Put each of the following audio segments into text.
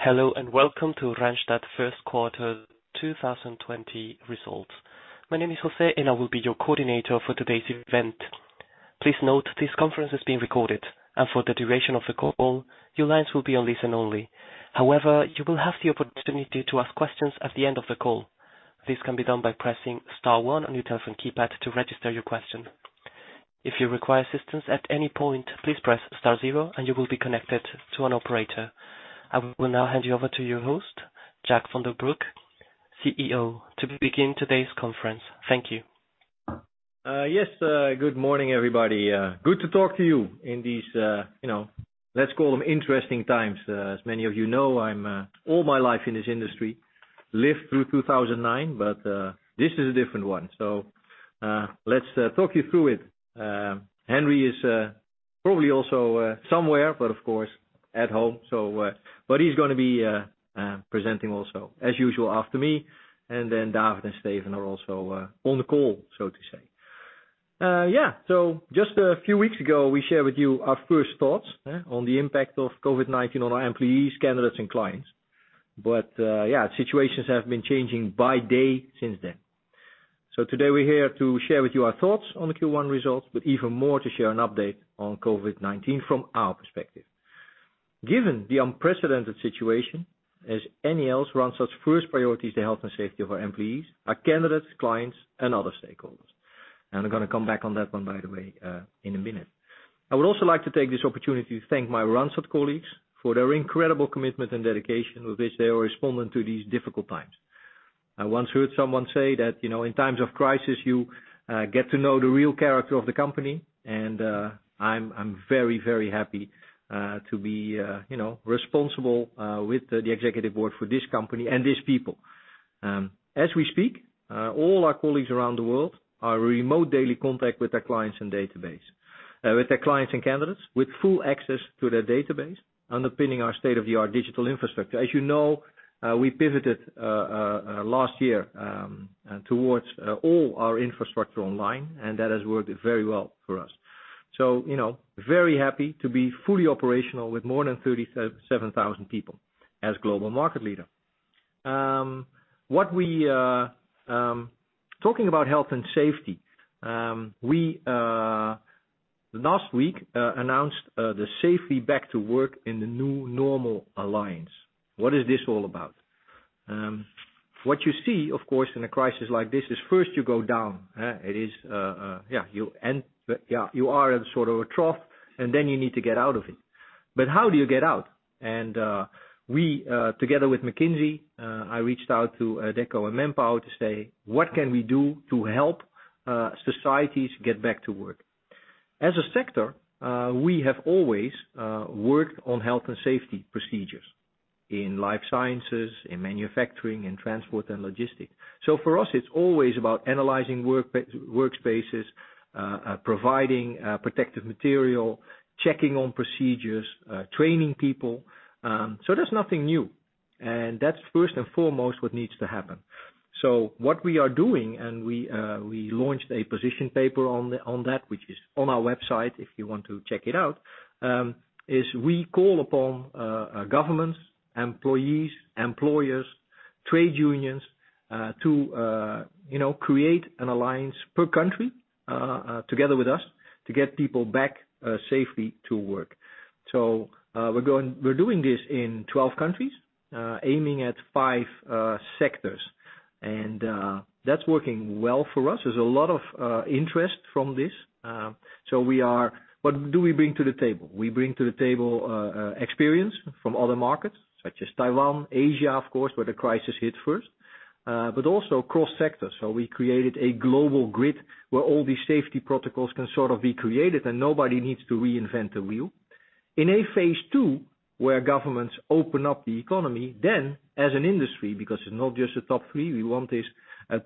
Hello, and welcome to Randstad First Quarter 2020 results. My name is Jose, and I will be your coordinator for today's event. Please note this conference is being recorded, and for the duration of the call, your lines will be on listen only. However, you will have the opportunity to ask questions at the end of the call. This can be done by pressing star one on your telephone keypad to register your question. If you require assistance at any point, please press star zero and you will be connected to an operator. I will now hand you over to your host, Jacques van den Broek, CEO, to begin today's conference. Thank you. Yes, good morning, everybody. Good to talk to you in these, let's call them interesting times. As many of you know, I'm all my life in this industry, lived through 2009, but this is a different one. Let's talk you through it. Henry is probably also somewhere, but of course, at home. He's going to be presenting also, as usual, after me. Then David and Steven are also on the call, so to say. Just a few weeks ago, we shared with you our first thoughts on the impact of COVID-19 on our employees, candidates, and clients. Situations have been changing by day since then. Today, we're here to share with you our thoughts on the Q1 results, but even more to share an update on COVID-19 from our perspective. Given the unprecedented situation, as any else, Randstad's first priority is the health and safety of our employees, our candidates, clients, and other stakeholders. I'm going to come back on that one, by the way, in a minute. I would also like to take this opportunity to thank my Randstad colleagues for their incredible commitment and dedication with which they are responding to these difficult times. I once heard someone say that, in times of crisis, you get to know the real character of the company, and I'm very happy to be responsible with the executive board for this company and these people. As we speak, all our colleagues around the world are in remote daily contact with their clients and candidates, with full access to their database, underpinning our state-of-the-art digital infrastructure. As you know, we pivoted last year towards all our infrastructure online, and that has worked very well for us. Very happy to be fully operational with more than 37,000 people as global market leader. Talking about health and safety, we, last week, announced the Safely Back to Work in the New Normal Alliance. What is this all about? What you see, of course, in a crisis like this is first you go down. You are in sort of a trough, and then you need to get out of it. How do you get out? We, together with McKinsey, I reached out to Adecco and Manpower to say, "What can we do to help societies get back to work?" As a sector, we have always worked on health and safety procedures in life sciences, in manufacturing, in transport and logistics. For us, it's always about analyzing workspaces, providing protective material, checking on procedures, training people. That's nothing new. That's first and foremost what needs to happen. What we are doing, and we launched a position paper on that, which is on our website if you want to check it out, is we call upon governments, employees, employers, trade unions to create an alliance per country together with us to get people back safely to work. We're doing this in 12 countries, aiming at five sectors. That's working well for us. There's a lot of interest from this. What do we bring to the table? We bring to the table experience from other markets such as Taiwan, Asia, of course, where the crisis hit first. Also cross-sector. We created a global grid where all these safety protocols can sort of be created, and nobody needs to reinvent the wheel. In a phase II where governments open up the economy, then as an industry, because it's not just the top three, we want this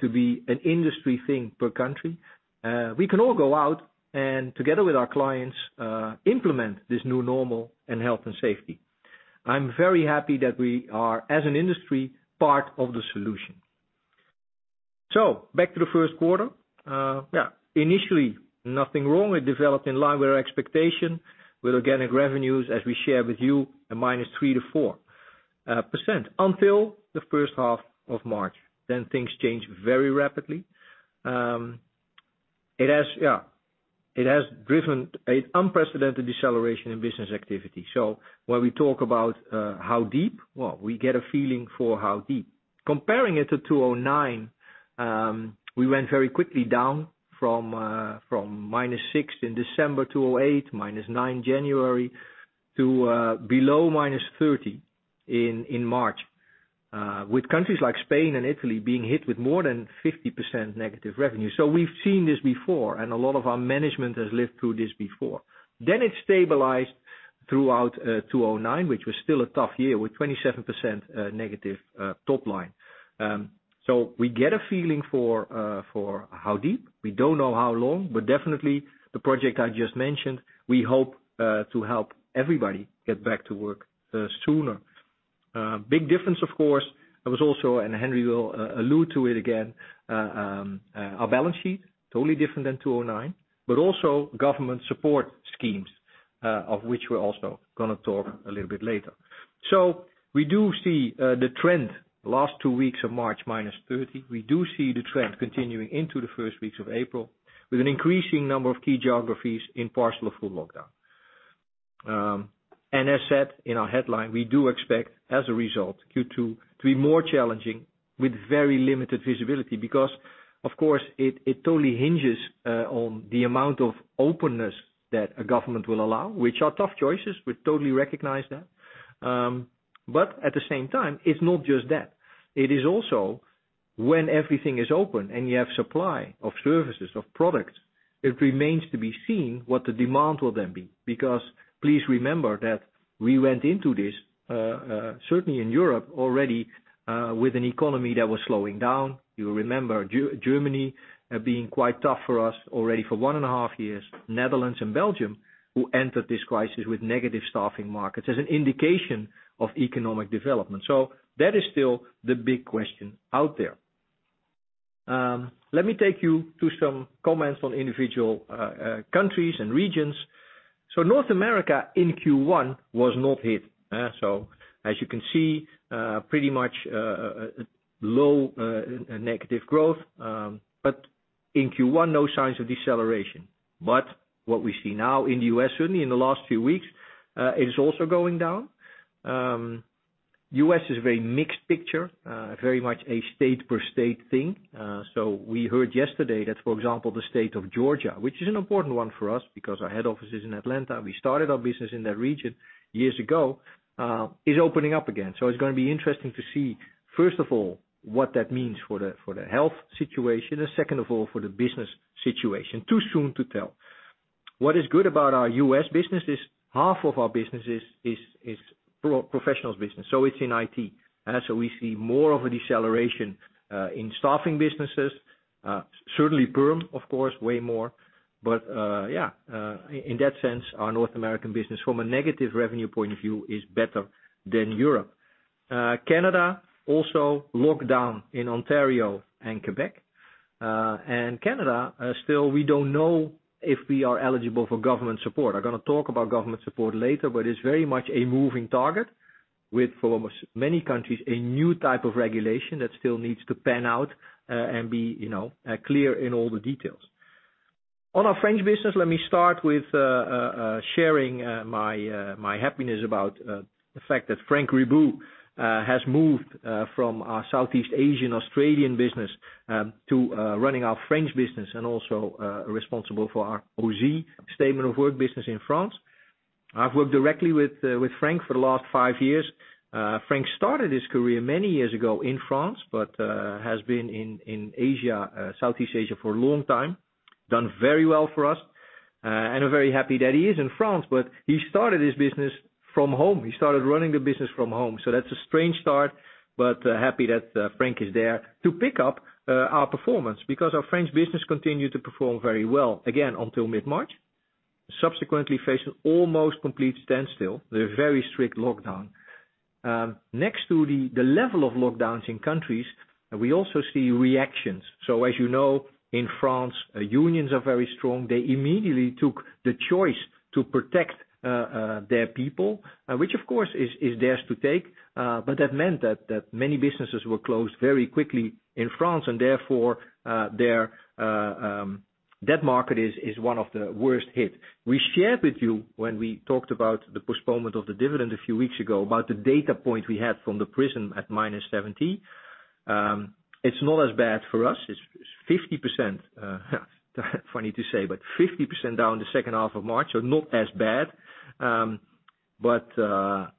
to be an industry thing per country. We can all go out and, together with our clients, implement this new normal in health and safety. I'm very happy that we are, as an industry, part of the solution. Back to the first quarter. Initially, nothing wrong with developing in line with our expectation, with organic revenues, as we share with you, a -3% to -4% until the first half of March. Things changed very rapidly. It has driven an unprecedented deceleration in business activity. When we talk about how deep, well, we get a feeling for how deep. Comparing it to 2009, we went very quickly down from -6% in December 2008, -9% January, to below -30% in March, with countries like Spain and Italy being hit with more than 50% negative revenue. We've seen this before, and a lot of our management has lived through this before. It stabilized throughout 2009, which was still a tough year with 27%- top line. We get a feeling for how deep. We don't know how long, but definitely the project I just mentioned, we hope to help everybody get back to work sooner. A big difference, of course, there was also, and Henry will allude to it again, our balance sheet, totally different than 2009, but also government support schemes, of which we're also going to talk a little bit later. We do see the trend last two weeks of March, -30%. We do see the trend continuing into the first weeks of April, with an increasing number of key geographies in partial or full lockdown. as said in our headline, we do expect, as a result, Q2 to be more challenging with very limited visibility, because of course, it totally hinges on the amount of openness that a government will allow, which are tough choices. We totally recognize that. at the same time, it's not just that. It is also when everything is open and you have supply of services, of products, it remains to be seen what the demand will then be. please remember that we went into this, certainly in Europe already, with an economy that was slowing down. You remember Germany being quite tough for us already for 1.5 years. Netherlands and Belgium, who entered this crisis with negative staffing markets as an indication of economic development. That is still the big question out there. Let me take you to some comments on individual countries and regions. North America in Q1 was not hit. As you can see, pretty much low negative growth. In Q1, no signs of deceleration. What we see now in the U.S. certainly, in the last few weeks, it is also going down. U.S. is a very mixed picture, very much a state-per-state thing. We heard yesterday that, for example, the state of Georgia, which is an important one for us because our head office is in Atlanta, we started our business in that region years ago, is opening up again. It's going to be interesting to see, first of all, what that means for the health situation, and second of all, for the business situation. Too soon to tell. What is good about our U.S. business is half of our business is professionals business, so it's in IT. We see more of a deceleration in staffing businesses. Certainly perm, of course, way more. Yeah, in that sense, our North American business from a negative revenue point of view is better than Europe. Canada also locked down in Ontario and Quebec. Canada, still we don't know if we are eligible for government support. I'm going to talk about government support later, but it's very much a moving target with, for many countries, a new type of regulation that still needs to pan out and be clear in all the details. On our French business, let me start with sharing my happiness about the fact that Frank Ribuot has moved from our Southeast Asian-Australian business to running our French business and also responsible for our Ausy statement of work business in France. I've worked directly with Frank for the last five years. Frank started his career many years ago in France, but has been in Asia, Southeast Asia for a long time, done very well for us. I'm very happy that he is in France, but he started his business from home. He started running the business from home. That's a strange start, but happy that Frank is there to pick up our performance because our French business continued to perform very well again until mid-March, subsequently faced with almost complete standstill with a very strict lockdown. Next to the level of lockdowns in countries, we also see reactions. as you know, in France, unions are very strong. They immediately took the choice to protect their people, which of course, is theirs to take. That meant that many businesses were closed very quickly in France, and therefore, that market is one of the worst hit. We shared with you when we talked about the postponement of the dividend a few weeks ago, about the data point we had from the Prism at -70. It's not as bad for us. It's 50%, funny to say, but 50% down the second half of March, so not as bad.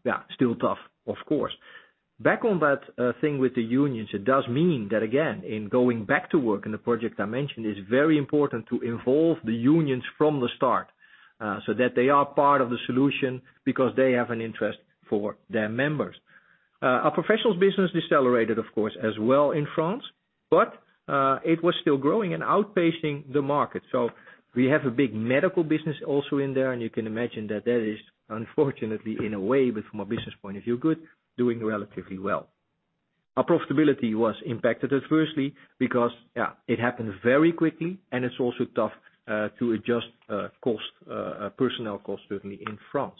Yeah, still tough, of course. Back on that thing with the unions, it does mean that, again, in going back to work in the project I mentioned, it's very important to involve the unions from the start so that they are part of the solution because they have an interest for their members. Our professionals business decelerated, of course, as well in France, but it was still growing and outpacing the market. We have a big medical business also in there, and you can imagine that that is unfortunately in a way, but from a business point of view, good, doing relatively well. Our profitability was impacted adversely because it happened very quickly, and it's also tough to adjust cost, personnel costs, certainly in France.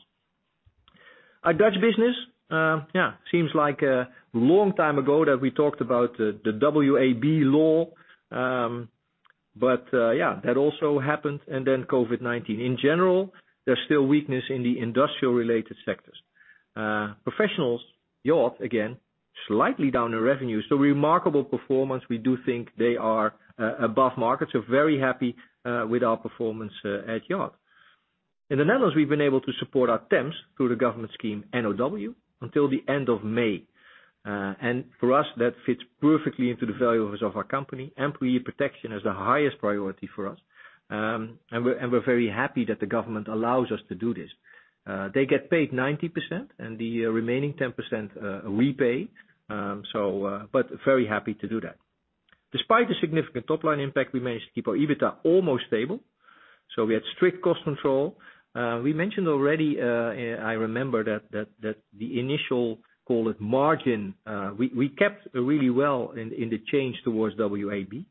Our Dutch business, yeah, seems like a long time ago that we talked about the WAB law. Yeah, that also happened, and then COVID-19. In general, there's still weakness in the industrial-related sectors. Professionals, Yacht, again, slightly down in revenue. Remarkable performance. We do think they are above market, so very happy with our performance at Yacht. In the Netherlands, we've been able to support our temps through the government scheme NOW until the end of May. For us, that fits perfectly into the values of our company. Employee protection is the highest priority for us. We're very happy that the government allows us to do this. They get paid 90% and the remaining 10% we pay. Very happy to do that. Despite the significant top-line impact, we managed to keep our EBITDA almost stable. We had strict cost control. We mentioned already, I remember that the initial call it margin, we kept really well in the change towards WAB.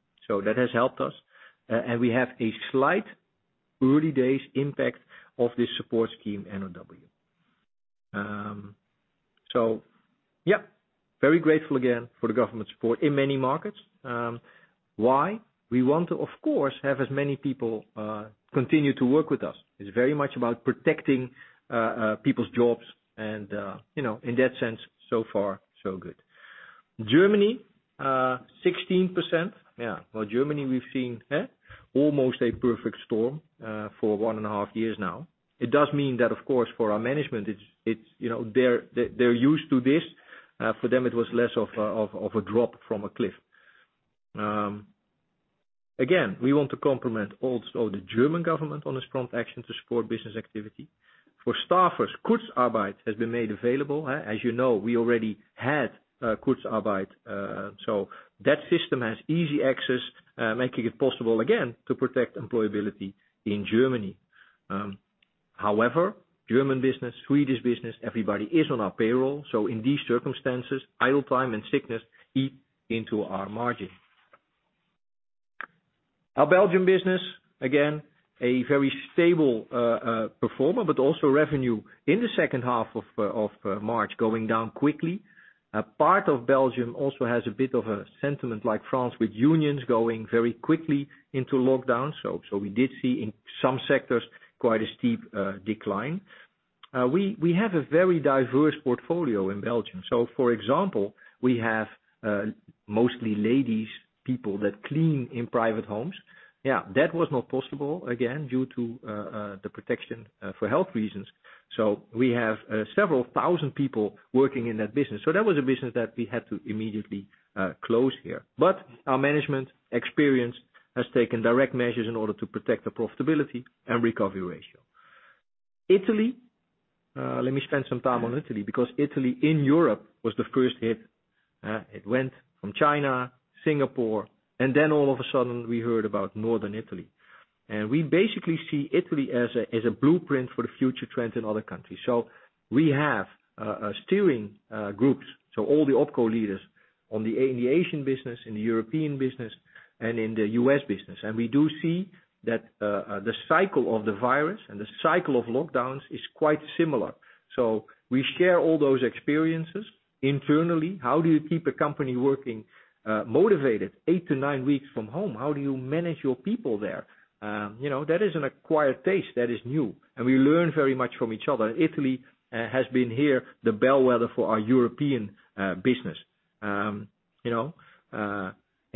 That has helped us. we have a slight early days impact of this support scheme, NOW. yeah, very grateful again for the government support in many markets. Why? We want to, of course, have as many people continue to work with us. It's very much about protecting people's jobs and, in that sense, so far so good. Germany, 16%. Yeah. Well, Germany, we've seen, almost a perfect storm for 1.5 years now. It does mean that, of course, for our management, they're used to this. For them, it was less of a drop from a cliff. Again, we want to compliment also the German government on its prompt action to support business activity. For staffers, Kurzarbeit has been made available. As you know, we already had Kurzarbeit, so that system has easy access, making it possible again to protect employability in Germany. However, German business, Swedish business, everybody is on our payroll, so in these circumstances, idle time and sickness eat into our margin. Our Belgium business, again, a very stable performer, but also revenue in the second half of March going down quickly. Part of Belgium also has a bit of a sentiment like France with unions going very quickly into lockdown. We did see in some sectors quite a steep decline. We have a very diverse portfolio in Belgium. For example, we have mostly ladies, people that clean in private homes. Yeah, that was not possible, again, due to the protection for health reasons. We have several thousand people working in that business. That was a business that we had to immediately close here. Our management experience has taken direct measures in order to protect the profitability and recovery ratio. Italy. Let me spend some time on Italy, because Italy in Europe was the first hit. It went from China, Singapore, and then all of a sudden, we heard about Northern Italy. We basically see Italy as a blueprint for the future trends in other countries. We have steering groups. All the OpCo leaders on the Asian business, in the European business, and in the U.S. business. We do see that the cycle of the virus and the cycle of lockdowns is quite similar. We share all those experiences internally. How do you keep a company working motivated eight to nine weeks from home? How do you manage your people there? That is an acquired taste, that is new. We learn very much from each other. Italy has been here, the bellwether for our European business.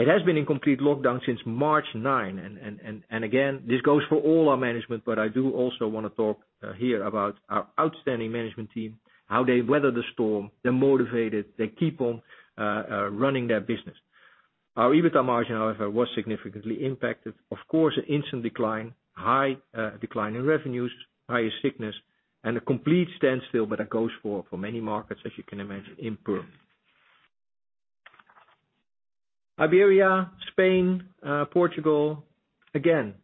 It has been in complete lockdown since March 9, and again, this goes for all our management, but I do also want to talk here about our outstanding management team, how they weather the storm. They're motivated. They keep on running their business. Our EBITDA margin, however, was significantly impacted. Of course, an instant decline, high decline in revenues, higher sickness, and a complete standstill, but that goes for many markets, as you can imagine, in PERM. Iberia, Spain, Portugal. Again,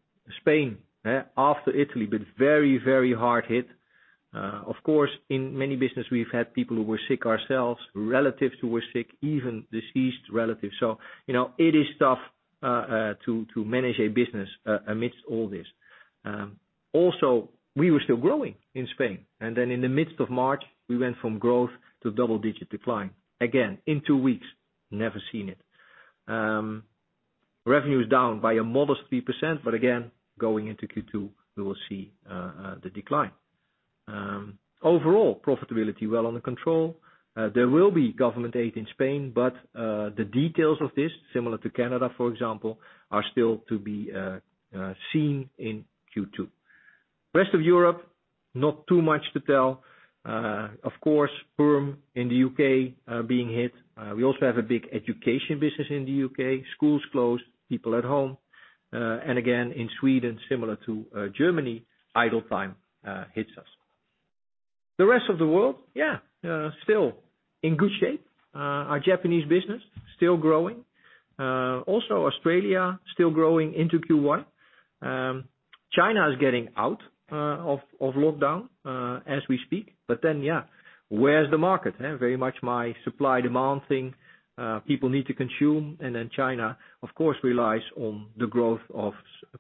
Spain, after Italy, but very, very hard hit. Of course, in many business we've had people who were sick ourselves, relatives who were sick, even deceased relatives. It is tough to manage a business amidst all this. Also, we were still growing in Spain. In the midst of March, we went from growth to double-digit decline, again, in two weeks. Never seen it. Revenue is down by a modest 3%, but again, going into Q2, we will see the decline. Overall, profitability well under control. There will be government aid in Spain, but, the details of this, similar to Canada, for example, are still to be seen in Q2. Rest of Europe, not too much to tell. Of course, PERM in the U.K. being hit. We also have a big education business in the U.K. Schools closed, people at home. Again, in Sweden, similar to Germany, idle time hits us. The rest of the world, yeah, still in good shape. Our Japanese business still growing. Also, Australia, still growing into Q1. China is getting out of lockdown, as we speak. Yeah, where's the market? Very much my supply-demand thing. People need to consume, and then China, of course, relies on the growth of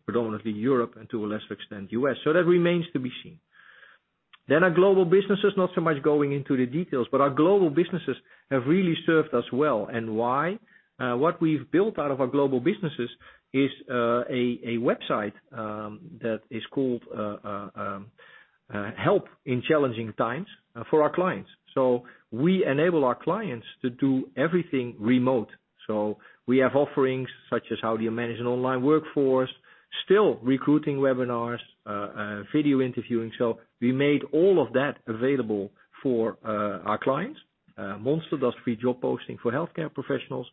predominantly Europe and to a lesser extent, U.S. That remains to be seen. Our global businesses, not so much going into the details, but our global businesses have really served us well. Why? What we've built out of our global businesses is a website that is called Help in Challenging Times for our clients. We enable our clients to do everything remote. We have offerings such as how do you manage an online workforce, still recruiting webinars, video interviewing. We made all of that available for our clients. Monster does free job posting for healthcare professionals.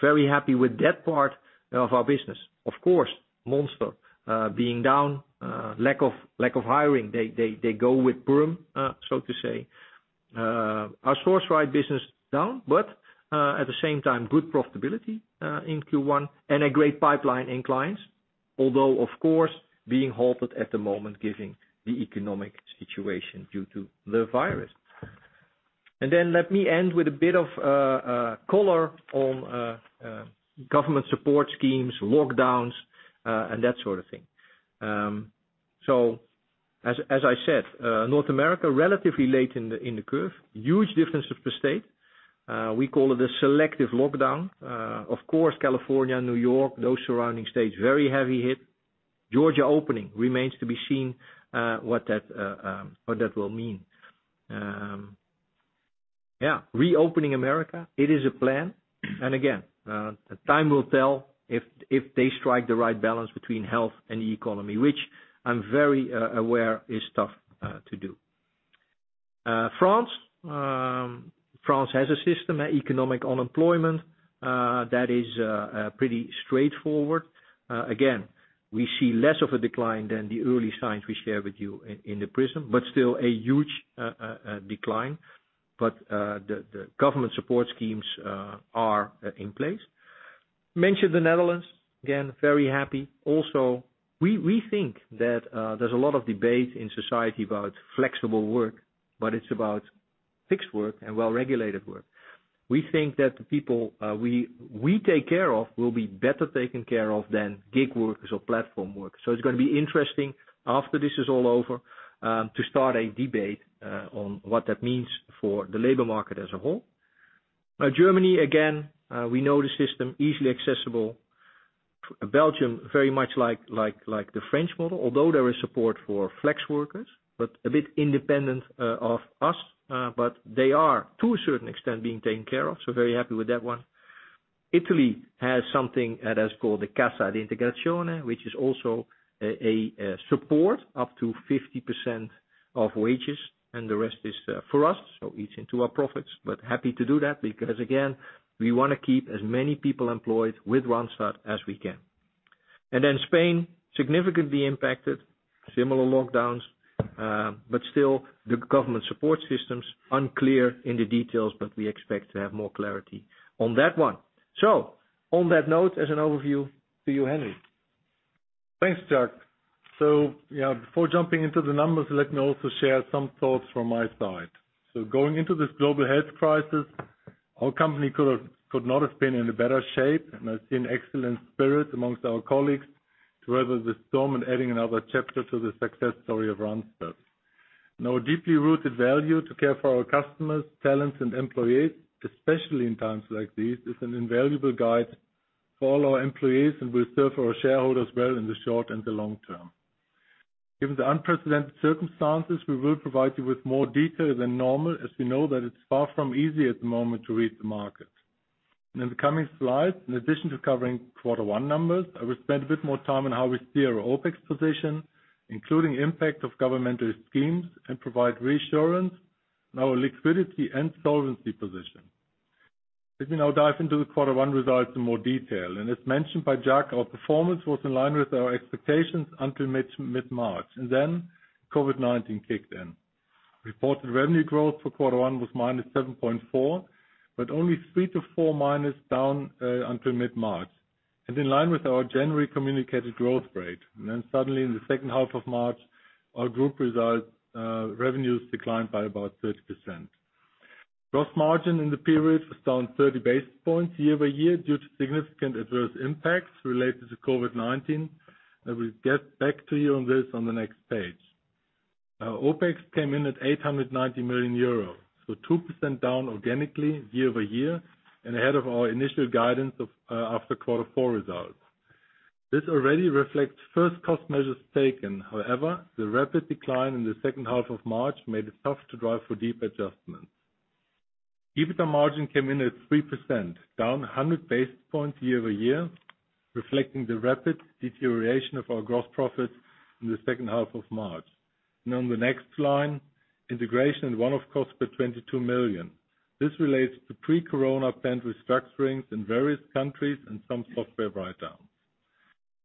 Very happy with that part of our business. Of course, Monster, being down, lack of hiring. They go with PERM, so to say. Our SourceRight business down, but at the same time, good profitability in Q1 and a great pipeline in clients. Although, of course, being halted at the moment given the economic situation due to the virus. Let me end with a bit of color on government support schemes, lockdowns, and that sort of thing. As I said, North America, relatively late in the curve. Huge differences per state. We call it a selective lockdown. Of course, California and New York, those surrounding states, very heavy hit. Georgia opening remains to be seen what that will mean. Reopening America, it is a plan. Again, time will tell if they strike the right balance between health and the economy, which I'm very aware is tough to do. France. France has a system, economic unemployment, that is pretty straightforward. Again, we see less of a decline than the early signs we share with you in the Prism, but still a huge decline. The government support schemes are in place. Mentioned the Netherlands. Again, very happy. Also, we think that there's a lot of debate in society about flexible work, but it's about fixed work and well-regulated work. We think that the people we take care of will be better taken care of than gig workers or platform workers. It's going to be interesting after this is all over to start a debate on what that means for the labor market as a whole. Germany, again, we know the system, easily accessible. Belgium, very much like the French model, although there is support for flex workers. A bit independent of us. They are to a certain extent being taken care of, so very happy with that one. Italy has something that is called the Cassa Integrazione, which is also a support up to 50% of wages, and the rest is for us. It's into our profits, but happy to do that because, again, we want to keep as many people employed with Randstad as we can. Spain, significantly impacted, similar lockdowns. Still, the government support system's unclear in the details, but we expect to have more clarity on that one. On that note, as an overview, to you, Henry. Thanks, Jacques. Before jumping into the numbers, let me also share some thoughts from my side. Going into this global health crisis, our company could not have been in a better shape, and I've seen excellent spirit amongst our colleagues to weather the storm and adding another chapter to the success story of Randstad. Now, our deeply rooted value to care for our customers, talents, and employees, especially in times like these, is an invaluable guide for all our employees and will serve our shareholders well in the short and the long term. Given the unprecedented circumstances, we will provide you with more detail than normal, as we know that it's far from easy at the moment to read the market. In the coming slides, in addition to covering quarter one numbers, I will spend a bit more time on how we steer our OpEx position, including impact of governmental schemes, and provide reassurance on our liquidity and solvency position. Let me now dive into the quarter one results in more detail. As mentioned by Jacques, our performance was in line with our expectations until mid-March, and then COVID-19 kicked in. Reported revenue growth for quarter one was -7.4, but only three to four minus down until mid-March. In line with our January communicated growth rate. Suddenly in the second half of March, our group revenues declined by about 30%. Gross margin in the period was down 30 basis points year-over-year due to significant adverse impacts related to COVID-19. I will get back to you on this on the next page. Our OpEx came in at 890 million euros, so 2% down organically year-over-year and ahead of our initial guidance after quarter four results. This already reflects first cost measures taken. However, the rapid decline in the second half of March made it tough to drive for deep adjustments. EBITDA margin came in at 3%, down 100 basis points year-over-year, reflecting the rapid deterioration of our gross profits in the second half of March. On the next line, integration and one-off cost of 22 million. This relates to pre-corona planned restructurings in various countries and some software write-downs.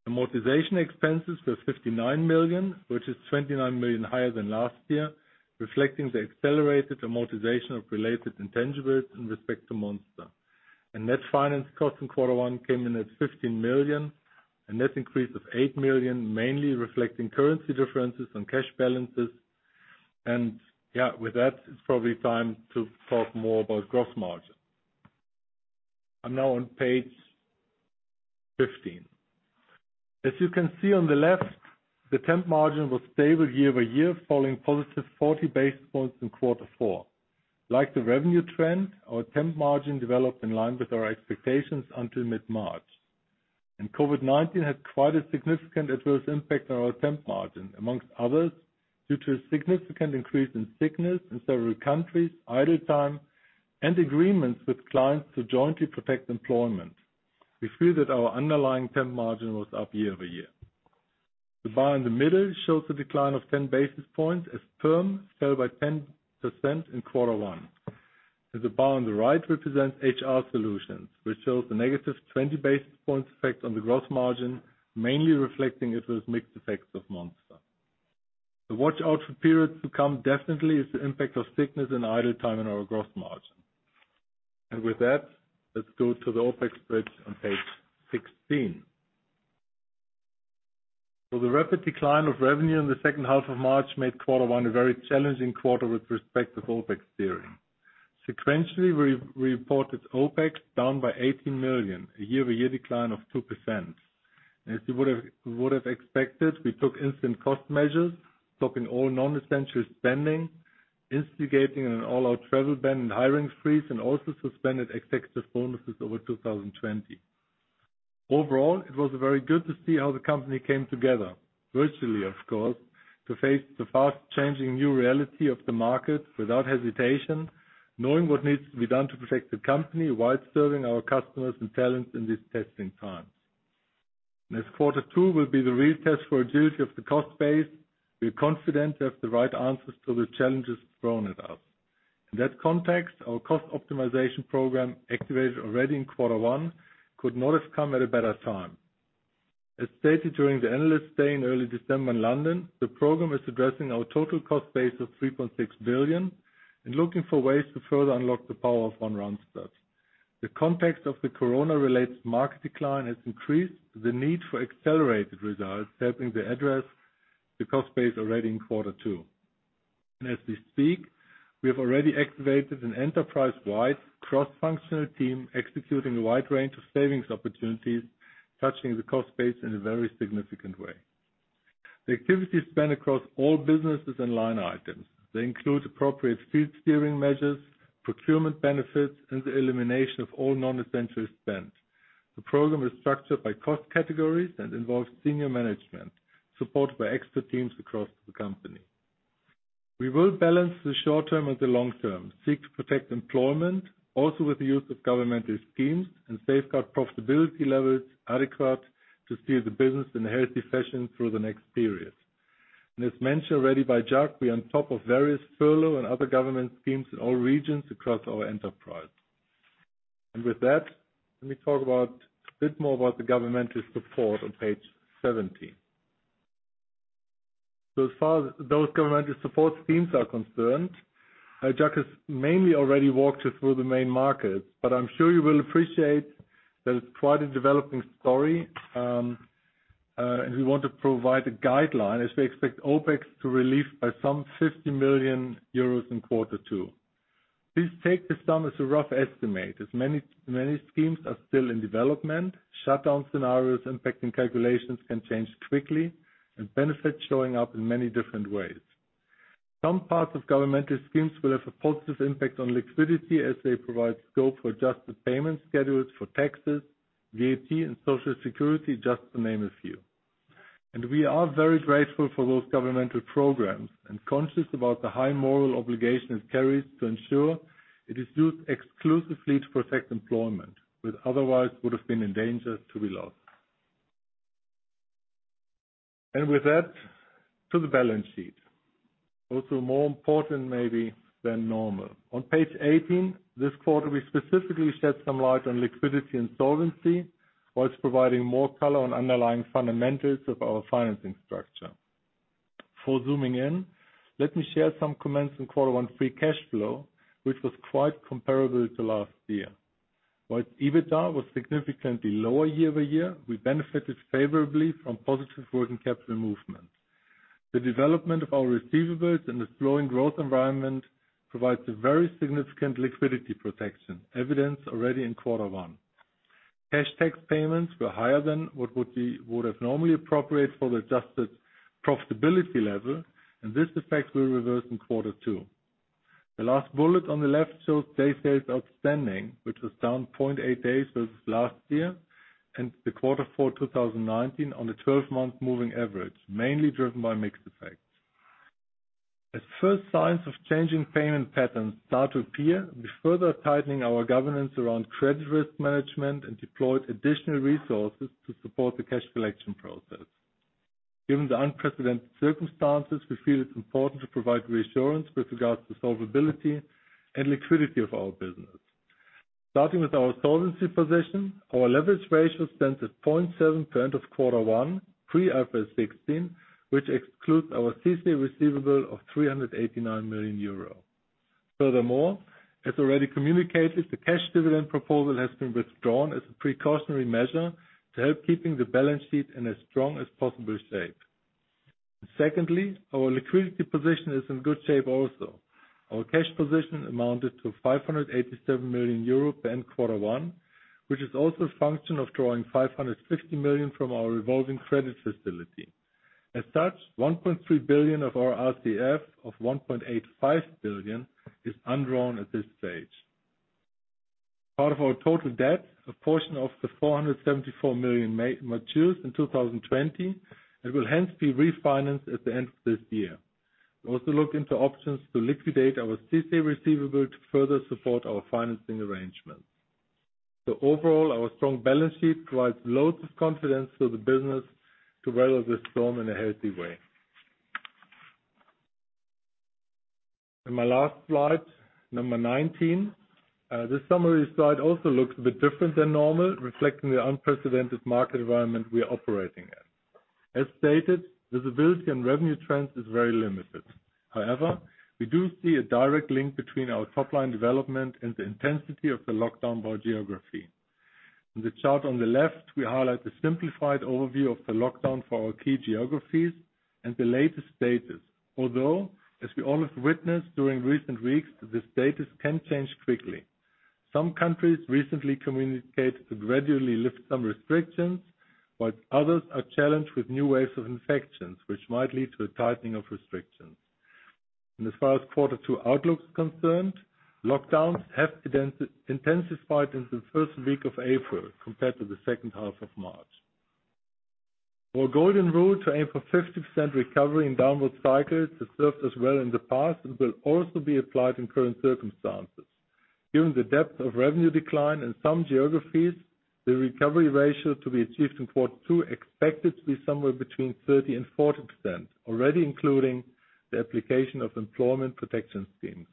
Amortization expenses were 59 million, which is 29 million higher than last year, reflecting the accelerated amortization of related intangibles with respect to Monster. Net finance cost in quarter one came in at 15 million. A net increase of 8 million, mainly reflecting currency differences and cash balances. With that, it's probably time to talk more about gross margin. I'm now on page 15. As you can see on the left, the temp margin was stable year-over-year, following positive 40 basis points in quarter four. Like the revenue trend, our temp margin developed in line with our expectations until mid-March. COVID-19 had quite a significant adverse impact on our temp margin, amongst others, due to a significant increase in sickness in several countries, idle time, and agreements with clients to jointly protect employment. We feel that our underlying temp margin was up year-over-year. The bar in the middle shows a decline of 10 basis points as perm fell by 10% in quarter one. The bar on the right represents HR solutions, which shows a -20 basis point effect on the gross margin, mainly reflecting mixed effects of Monster. To watch out for periods to come definitely is the impact of sickness and idle time on our gross margin. With that, let's go to the OpEx bridge on page 16. The rapid decline of revenue in the second half of March made quarter one a very challenging quarter with respect to OpEx steering. Sequentially, we reported OpEx down by 18 million, a year-over-year decline of 2%. As you would've expected, we took instant cost measures, stopping all non-essential spending, instigating an all-out travel ban and hiring freeze, and also suspended executive bonuses over 2020. Overall, it was very good to see how the company came together, virtually of course, to face the fast-changing new reality of the market without hesitation, knowing what needs to be done to protect the company while serving our customers and talents in these testing times. As quarter two will be the real test for agility of the cost base, we are confident we have the right answers to the challenges thrown at us. In that context, our cost optimization program, activated already in quarter one, could not have come at a better time. As stated during the analyst day in early December in London, the program is addressing our total cost base of 3.6 billion and looking for ways to further unlock the power of One Randstad. The context of the corona-related market decline has increased the need for accelerated results, helping to address the cost base already in quarter two. As we speak, we have already activated an enterprise-wide cross-functional team executing a wide range of savings opportunities, touching the cost base in a very significant way. The activity is spread across all businesses and line items. They include appropriate field steering measures, procurement benefits, and the elimination of all non-essential spend. The program is structured by cost categories and involves senior management, supported by expert teams across the company. We will balance the short term with the long term, seek to protect employment, also with the use of governmental schemes, and safeguard profitability levels adequate to steer the business in a healthy fashion through the next period. As mentioned already by Jacques, we are on top of various furlough and other government schemes in all regions across our enterprise. With that, let me talk a bit more about the governmental support on page 17. As far as those governmental support schemes are concerned, Jacques has mainly already walked you through the main markets, but I'm sure you will appreciate that it's quite a developing story, and we want to provide a guideline as we expect OpEx to relieve by some 50 million euros in quarter two. Please take this sum as a rough estimate, as many schemes are still in development, shutdown scenarios impacting calculations can change quickly and benefits showing up in many different ways. Some parts of governmental schemes will have a positive impact on liquidity as they provide scope for adjusted payment schedules for taxes, VAT, and social security, just to name a few. We are very grateful for those governmental programs and conscious about the high moral obligation it carries to ensure it is used exclusively to protect employment, which otherwise would have been in danger to be lost. With that, to the balance sheet. Also, more important maybe than normal. On page 18, this quarter, we specifically shed some light on liquidity and solvency, while providing more color on underlying fundamentals of our financing structure. For zooming in, let me share some comments on quarter one free cash flow, which was quite comparable to last year. While EBITDA was significantly lower year-over-year, we benefited favorably from positive working capital movements. The development of our receivables in the slowing growth environment provides a very significant liquidity protection, evidenced already in quarter one. Cash tax payments were higher than what would have normally appropriate for the adjusted profitability level, and this effect will reverse in quarter two. The last bullet on the left shows day sales outstanding, which was down 0.8 days versus last year and the quarter four 2019 on a 12-month moving average, mainly driven by mixed effects. As first signs of changing payment patterns start to appear, we're further tightening our governance around credit risk management and deployed additional resources to support the cash collection process. Given the unprecedented circumstances, we feel it's important to provide reassurance with regards to solvability and liquidity of our business. Starting with our solvency position, our leverage ratio stands at 0.7 for end of quarter one, pre IFRS 16, which excludes our CICE receivable of 389 million euros. Furthermore, as already communicated, the cash dividend proposal has been withdrawn as a precautionary measure to help keeping the balance sheet in as strong as possible shape. Secondly, our liquidity position is in good shape also. Our cash position amounted to 587 million euro by end quarter one, which is also a function of drawing 550 million from our revolving credit facility. As such, 1.3 billion of our RCF of 1.85 billion is undrawn at this stage. Part of our total debt, a portion of the 474 million matures in 2020 and will hence be refinanced at the end of this year. We also look into options to liquidate our CICE receivable to further support our financing arrangements. Overall, our strong balance sheet provides loads of confidence to the business to weather this storm in a healthy way. My last slide, number 19. This summary slide also looks a bit different than normal, reflecting the unprecedented market environment we are operating in. As stated, visibility in revenue trends is very limited. However, we do see a direct link between our top-line development and the intensity of the lockdown by geography. In the chart on the left, we highlight the simplified overview of the lockdown for our key geographies and the latest status. Although, as we all have witnessed during recent weeks, the status can change quickly. Some countries recently communicated to gradually lift some restrictions, while others are challenged with new waves of infections, which might lead to a tightening of restrictions. As far as quarter two outlook is concerned, lockdowns have intensified into the first week of April compared to the second half of March. Our golden rule to aim for 50% recovery in downward cycles has served us well in the past and will also be applied in current circumstances. Given the depth of revenue decline in some geographies, the recovery ratio to be achieved in quarter two expected to be somewhere between 30% and 40%, already including the application of employment protection schemes.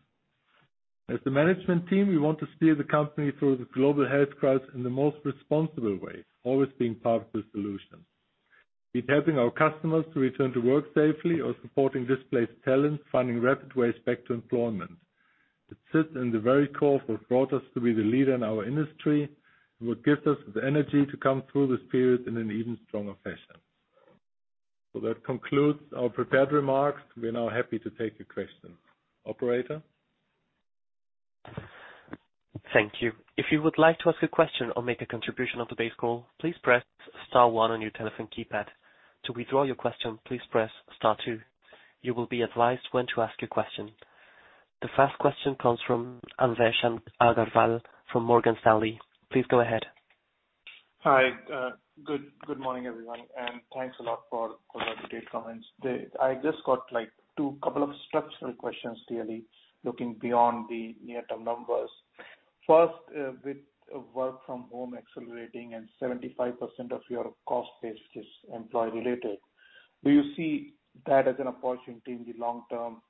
As the management team, we want to steer the company through the global health crisis in the most responsible way, always being part of the solution. Be it helping our customers to return to work safely or supporting displaced talent, finding rapid ways back to employment. It sits in the very core of what brought us to be the leader in our industry, and what gives us the energy to come through this period in an even stronger fashion. that concludes our prepared remarks. We are now happy to take your questions. Operator? Thank you. If you would like to ask a question or make a contribution on today's call, please press star one on your telephone keypad. To withdraw your question, please press star two. You will be advised when to ask your question. The first question comes from Anvesh Agrawal from Morgan Stanley. Please go ahead. Hi. Good morning, everyone, and thanks a lot for the updated comments today. I just got two couple of structural questions clearly looking beyond the near-term numbers. First, with work from home accelerating and 75% of your cost base is employee related, do you see that as an opportunity in the long term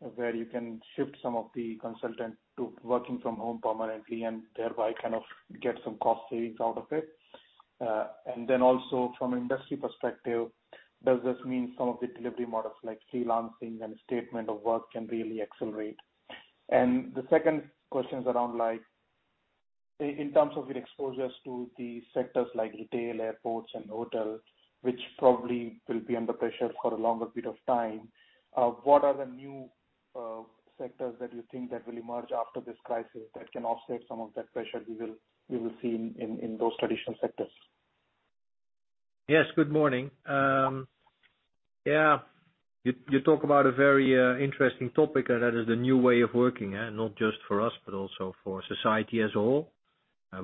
where you can shift some of the consultants to working from home permanently and thereby kind of get some cost savings out of it? Then also from an industry perspective, does this mean some of the delivery models like freelancing and statement of work can really accelerate? The second question is around in terms of your exposures to the sectors like retail, airports, and hotel, which probably will be under pressure for a longer bit of time. What are the new sectors that you think that will emerge after this crisis that can offset some of that pressure we will see in those traditional sectors? Yes. Good morning. Yeah. You talk about a very interesting topic, and that is the new way of working. Not just for us, but also for society as a whole.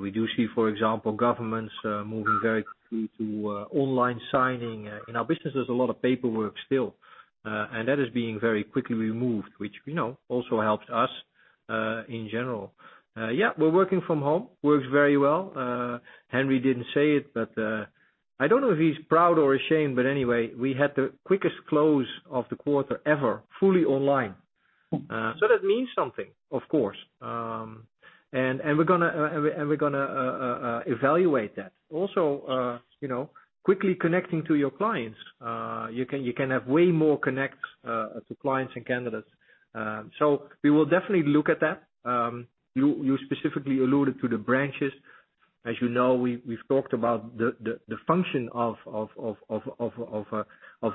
We do see, for example, governments moving very quickly to online signing. In our business, there's a lot of paperwork still, and that is being very quickly removed, which we know also helps us, in general. Yeah, we're working from home. Works very well. Henry didn't say it, but I don't know if he's proud or ashamed, but anyway, we had the quickest close of the quarter ever, fully online. That means something, of course. We're going to evaluate that. Also quickly connecting to your clients. You can have way more connects to clients and candidates. We will definitely look at that. You specifically alluded to the branches. As you know, we've talked about the function of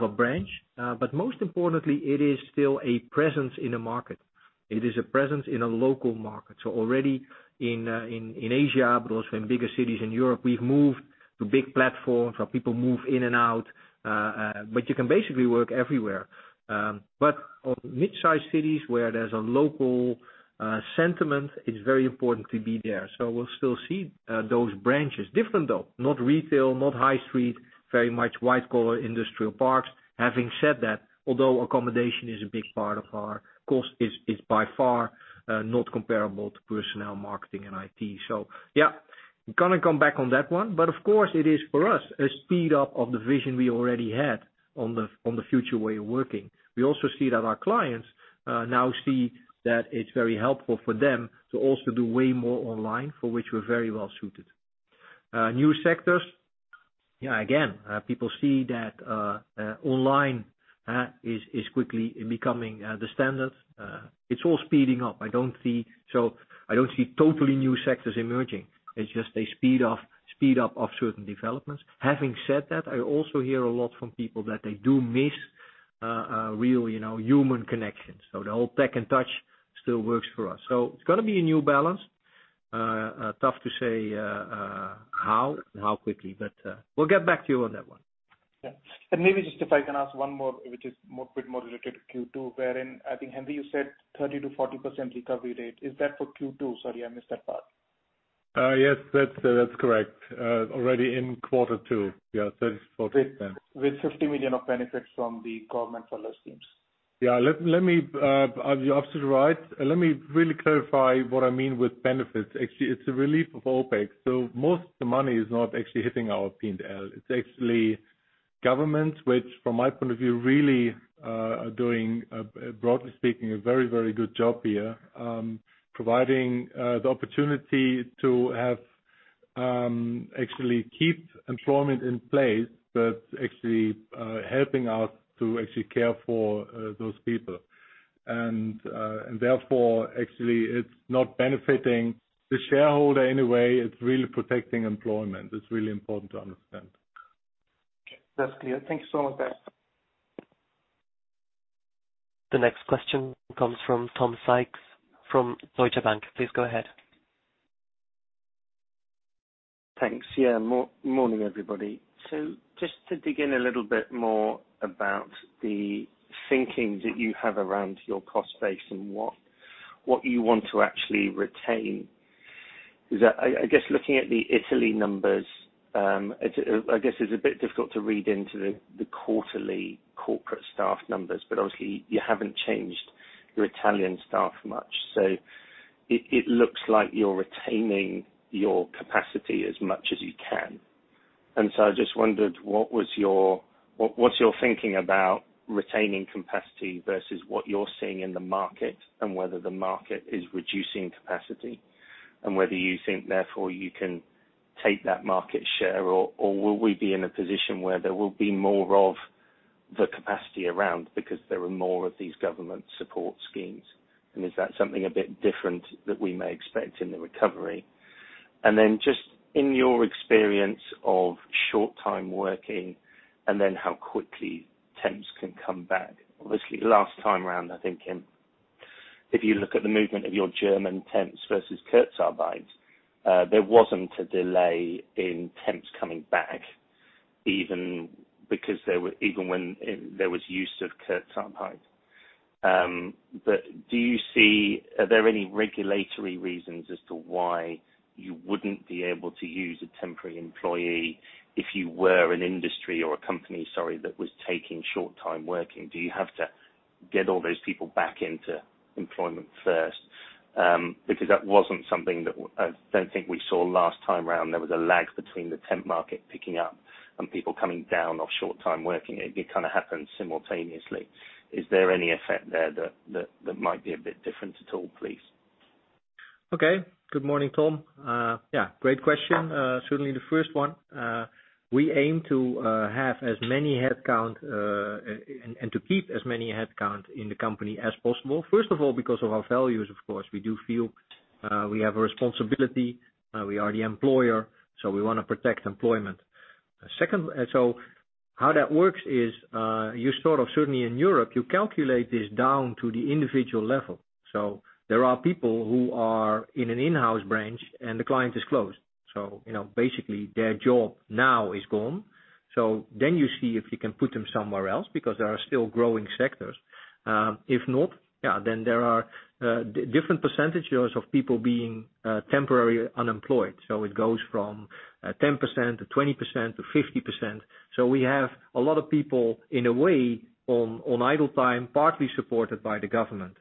a branch. Most importantly, it is still a presence in a market. It is a presence in a local market. Already in Asia, but also in bigger cities in Europe, we've moved to big platforms where people move in and out. You can basically work everywhere. On mid-size cities where there's a local sentiment, it's very important to be there. We'll still see those branches. Different, though. Not retail, not high street, very much white collar, industrial parks. Having said that, although accommodation is a big part of our cost, it's by far not comparable to personnel marketing and IT. Yeah, going to come back on that one. Of course, it is for us, a speed up of the vision we already had on the future way of working. We also see that our clients now see that it's very helpful for them to also do way more online, for which we're very well suited. New sectors. Yeah, again people see that online is quickly becoming the standard. It's all speeding up. I don't see totally new sectors emerging. It's just a speed up of certain developments. Having said that, I also hear a lot from people that they do miss real human connection. The whole tech and touch still works for us. It's going to be a new balance. Tough to say how quickly, but we'll get back to you on that one. Yeah. Maybe just if I can ask one more, which is bit more related to Q2, wherein I think, Henry, you said 30%-40% recovery rate. Is that for Q2? Sorry, I missed that part. Yes. That's correct. Already in quarter two. Yeah, 30%, 40%. With 50 million of benefits from the government furlough schemes. Yeah. You're absolutely right. Let me really clarify what I mean with benefits. Actually, it's a relief of OpEx, so most of the money is not actually hitting our P&L. It's actually- Governments, which from my point of view, really are doing, broadly speaking, a very good job here. Providing the opportunity to actually keep employment in place, but actually helping us to actually care for those people. Therefore, actually it's not benefiting the shareholder in a way, it's really protecting employment. It's really important to understand. That's clear. Thank you so much. The next question comes from Tom Sykes from Deutsche Bank. Please go ahead. Thanks. Yeah. Morning, everybody. Just to dig in a little bit more about the thinking that you have around your cost base and what you want to actually retain is that, I guess looking at the Italy numbers, I guess it's a bit difficult to read into the quarterly corporate staff numbers, but obviously you haven't changed your Italian staff much, so it looks like you're retaining your capacity as much as you can. I just wondered what's your thinking about retaining capacity versus what you're seeing in the market and whether the market is reducing capacity, and whether you think therefore you can take that market share or will we be in a position where there will be more of the capacity around because there are more of these government support schemes. Is that something a bit different that we may expect in the recovery? just in your experience of short time working and then how quickly temps can come back. Obviously last time around, I think if you look at the movement of your German temps versus Kurzarbeits, there wasn't a delay in temps coming back even when there was use of Kurzarbeit. are there any regulatory reasons as to why you wouldn't be able to use a temporary employee if you were an industry or a company, sorry, that was taking short time working? Do you have to get all those people back into employment first? Because that wasn't something that I don't think we saw last time around. There was a lag between the temp market picking up and people coming down off short time working. It kind of happened simultaneously. Is there any effect there that might be a bit different at all, please? Okay. Good morning, Tom. Yeah, great question. Certainly the first one. We aim to have as many headcount, and to keep as many headcount in the company as possible. First of all, because of our values, of course. We do feel we have a responsibility. We are the employer, so we want to protect employment. How that works is, you sort of, certainly in Europe, you calculate this down to the individual level. There are people who are in an in-house branch and the client is closed, so basically their job now is gone. Then you see if you can put them somewhere else because there are still growing sectors. If not, then there are different percentages of people being temporarily unemployed. It goes from 10% to 20% to 50%. We have a lot of people, in a way, on idle time, partly supported by the government.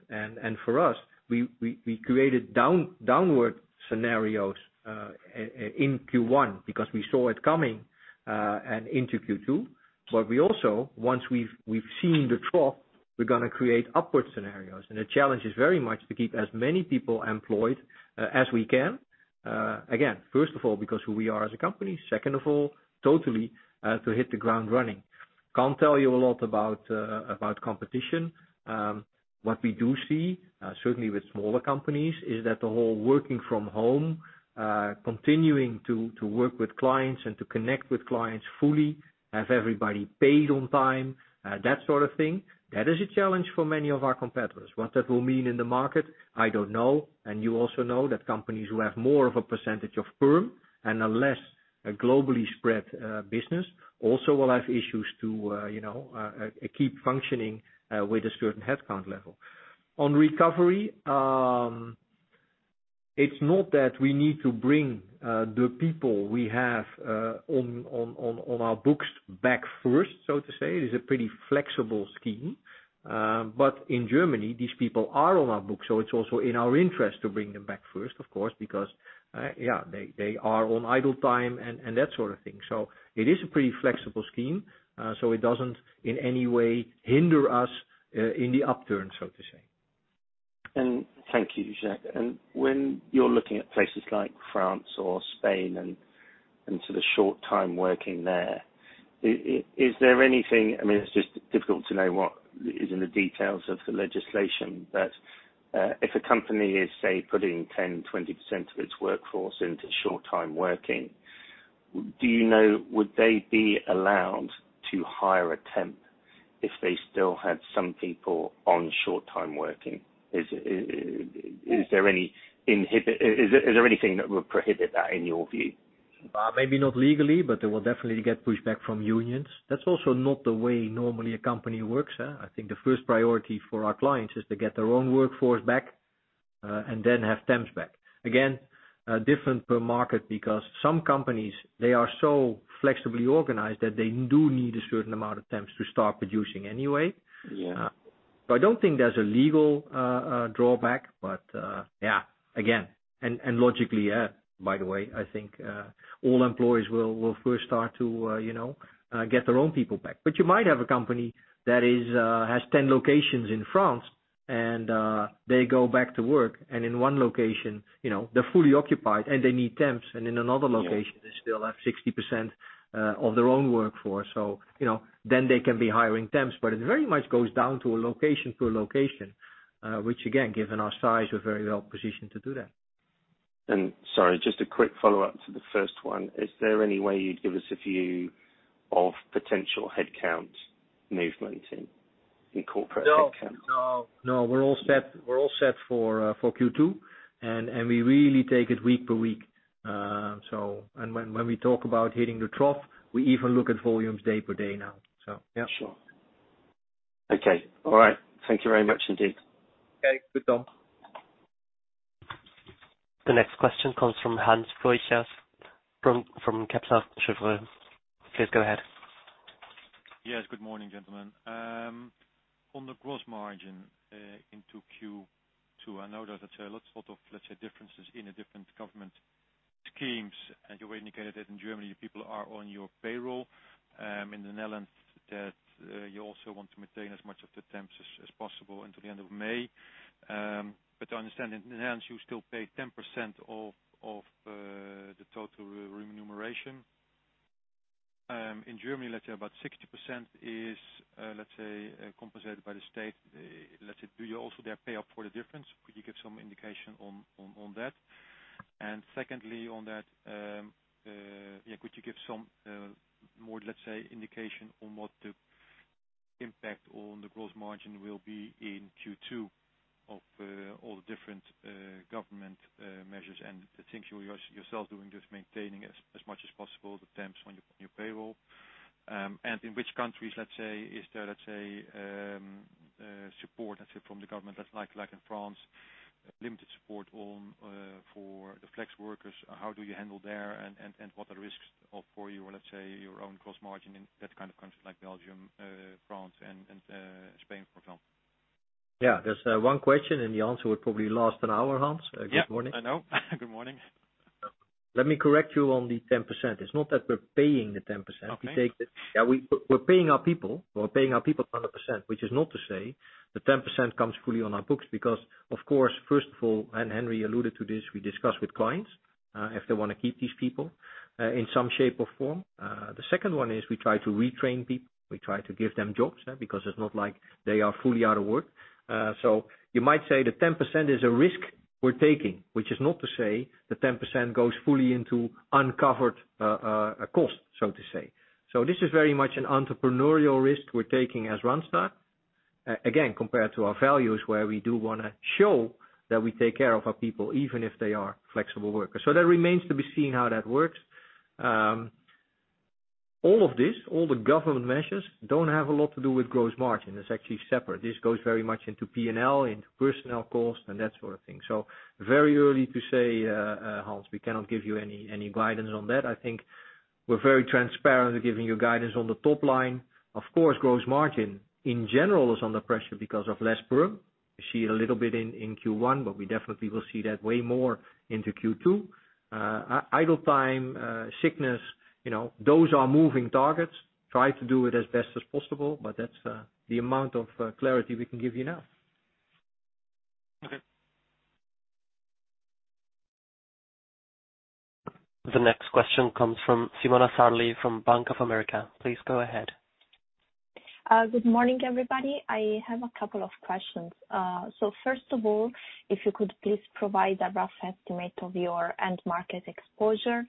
For us, we created downward scenarios in Q1 because we saw it coming, and into Q2. We also, once we've seen the trough, we're going to create upward scenarios, and the challenge is very much to keep as many people employed as we can. Again, first of all, because who we are as a company, second of all, totally, to hit the ground running. Can't tell you a lot about competition. What we do see, certainly with smaller companies, is that the whole working from home, continuing to work with clients and to connect with clients fully, have everybody paid on time, that sort of thing. That is a challenge for many of our competitors. What that will mean in the market, I don't know. You also know that companies who have more of a percentage of firm and a less globally spread business also will have issues to keep functioning with a certain headcount level. On recovery, it's not that we need to bring the people we have on our books back first, so to say, it is a pretty flexible scheme. In Germany, these people are on our books, so it's also in our interest to bring them back first, of course, because they are on idle time and that sort of thing. It is a pretty flexible scheme. It doesn't in any way hinder us in the upturn, so to say. Thank you, Jacques. when you're looking at places like France or Spain and to the short time working there, is there anything, it's just difficult to know what is in the details of the legislation. if a company is, say, putting 10, 20% of its workforce into short time working, do you know, would they be allowed to hire a temp if they still had some people on short time working? Is there anything that would prohibit that in your view? Maybe not legally, but they will definitely get pushback from unions. That's also not the way normally a company works. I think the first priority for our clients is to get their own workforce back and then have temps back. Again, different per market because some companies, they are so flexibly organized that they do need a certain amount of temps to start producing anyway. Yeah. I don't think there's a legal drawback, but again, and logically, by the way, I think all employees will first start to get their own people back. You might have a company that has 10 locations in France and they go back to work, and in one location, they're fully occupied and they need temps, and in another location they still have 60% of their own workforce. They can be hiring temps. It very much goes down to a location per location, which again, given our size, we're very well positioned to do that. Sorry, just a quick follow-up to the first one. Is there any way you'd give us a view of potential headcount movement in corporate headcount? No. We're all set for Q2, and we really take it week per week. When we talk about hitting the trough, we even look at volumes day per day now. Yeah. Sure. Okay. All right. Thank you very much indeed. Okay. Good Tom. The next question comes from Hans Pluijgers from Kepler Cheuvreux. Please go ahead. Yes. Good morning, gentlemen. On the gross margin, into Q2, I know that there are lots of, let's say, differences in the different government schemes, and you indicated that in Germany, people are on your payroll. In the Netherlands, that you also want to maintain as much of the temps as possible until the end of May. I understand in Netherlands, you still pay 10% of the total remuneration. In Germany, let's say about 60% is compensated by the state. Let's say, do you also there pay up for the difference? Could you give some indication on that? Secondly on that, could you give some more, let's say, indication on what the impact on the gross margin will be in Q2 of all the different government measures and the things you yourself doing, just maintaining as much as possible the temps on your payroll? In which countries, let's say, is there support, let's say, from the government that's like in France, limited support for the flex workers, how do you handle there and what are the risks for your, let's say, your own gross margin in that kind of countries like Belgium, France and Spain for example? Yeah. There's one question, and the answer would probably last an hour, Hans. Good morning. Yeah, I know. Good morning. Let me correct you on the 10%. It's not that we're paying the 10%. Okay. We're paying our people 100%, which is not to say the 10% comes fully on our books because, of course, first of all, and Henry alluded to this, we discuss with clients, if they want to keep these people, in some shape or form. The second one is we try to retrain people. We try to give them jobs, because it's not like they are fully out of work. You might say the 10% is a risk we're taking, which is not to say the 10% goes fully into uncovered cost, so to say. This is very much an entrepreneurial risk we're taking as Randstad. Again, compared to our values, where we do want to show that we take care of our people, even if they are flexible workers. That remains to be seen how that works. All of this, all the government measures don't have a lot to do with gross margin. It's actually separate. This goes very much into P&L, into personnel cost and that sort of thing. Very early to say, Hans. We cannot give you any guidance on that. I think we're very transparent giving you guidance on the top line. Of course, gross margin in general is under pressure because of less perm. We see it a little bit in Q1, but we definitely will see that way more into Q2. Idle time, sickness, those are moving targets. Try to do it as best as possible, but that's the amount of clarity we can give you now. Okay. The next question comes from Simona Sarli from Bank of America. Please go ahead. Good morning, everybody. I have a couple of questions. First of all, if you could please provide a rough estimate of your end market exposure.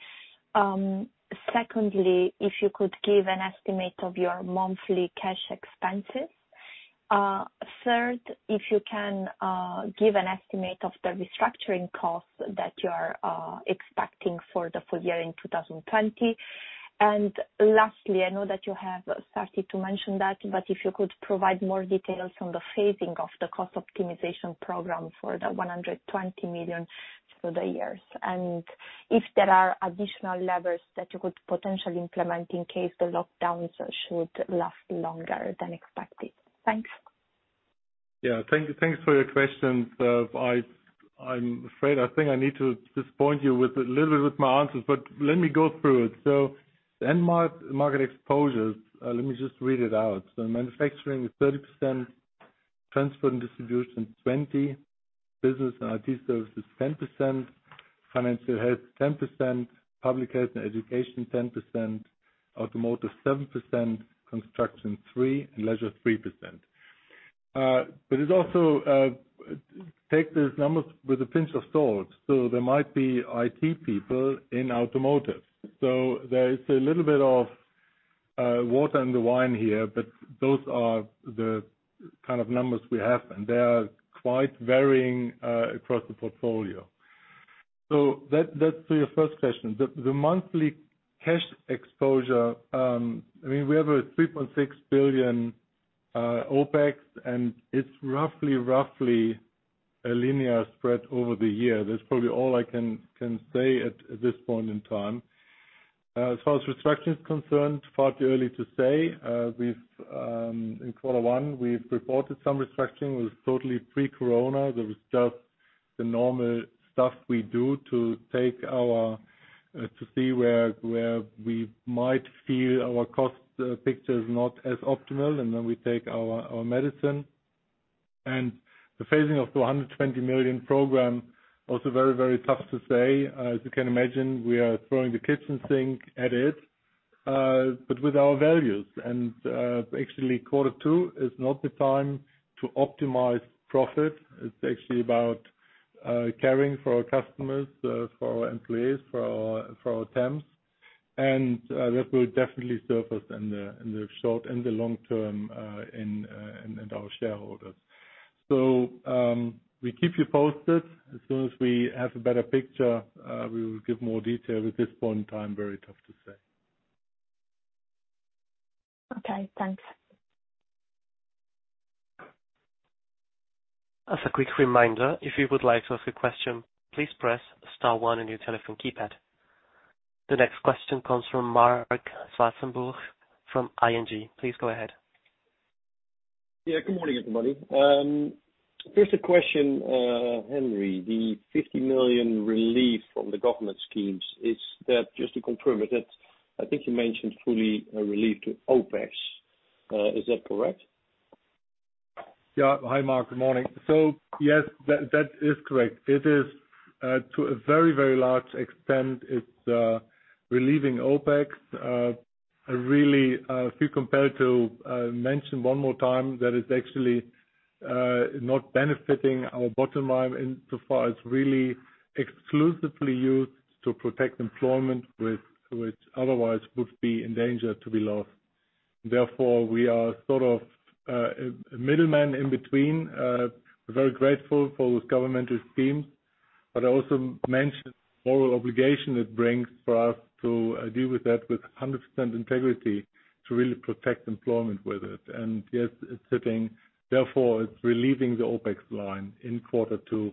Secondly, if you could give an estimate of your monthly cash expenses. Third, if you can give an estimate of the restructuring costs that you are expecting for the full year in 2020. Lastly, I know that you have started to mention that, but if you could provide more details on the phasing of the cost optimization program for the 120 million through the years. If there are additional levers that you could potentially implement in case the lockdowns should last longer than expected. Thanks. Yeah. Thanks for your questions. I'm afraid I think I need to disappoint you with a little bit with my answers, but let me go through it. The end market exposures, let me just read it out. Manufacturing is 30%, transport and distribution 20%, business and IT services 10%, financial health 10%, public health and education 10%, automotive 7%, construction 3%, and leisure 3%. Take these numbers with a pinch of salt. There might be IT people in automotive. There is a little bit of water in the wine here, but those are the kind of numbers we have, and they are quite varying across the portfolio. That's for your first question. The monthly cash exposure, we have a 3.6 billion OpEx, and it's roughly a linear spread over the year. That's probably all I can say at this point in time. As far as restructuring is concerned, far too early to say. In quarter one, we've reported some restructuring. It was totally pre-corona. That was just the normal stuff we do to see where we might feel our cost picture is not as optimal, and then we take our medicine. The phasing of the 120 million program, also very, very tough to say. As you can imagine, we are throwing the kitchen sink at it, but with our values. Actually quarter two is not the time to optimize profit. It's actually about caring for our customers, for our employees, for our temps. That will definitely surface in the short and the long term in our shareholders. We keep you posted. As soon as we have a better picture, we will give more detail. At this point in time, very tough to say. Okay, thanks. As a quick reminder, if you would like to ask a question, please press star one on your telephone keypad. The next question comes from Marc Zwartsenburg from ING. Please go ahead. Yeah. Good morning, everybody. First question, Henry. The 50 million relief from the government schemes, just to confirm it, I think you mentioned fully relieved OpEx. Is that correct? Yeah. Hi, Marc. Good morning. Yes, that is correct. It is to a very, very large extent, it's relieving OpEx. If you compare it to, mention one more time, that is actually not benefiting our bottom line insofar as really exclusively used to protect employment which otherwise would be in danger to be lost. Therefore, we are sort of a middleman in between. We're very grateful for those governmental schemes, but I also mentioned the moral obligation it brings for us to deal with that with 100% integrity to really protect employment with it. Yes, it's hitting. Therefore, it's relieving the OpEx line in quarter two.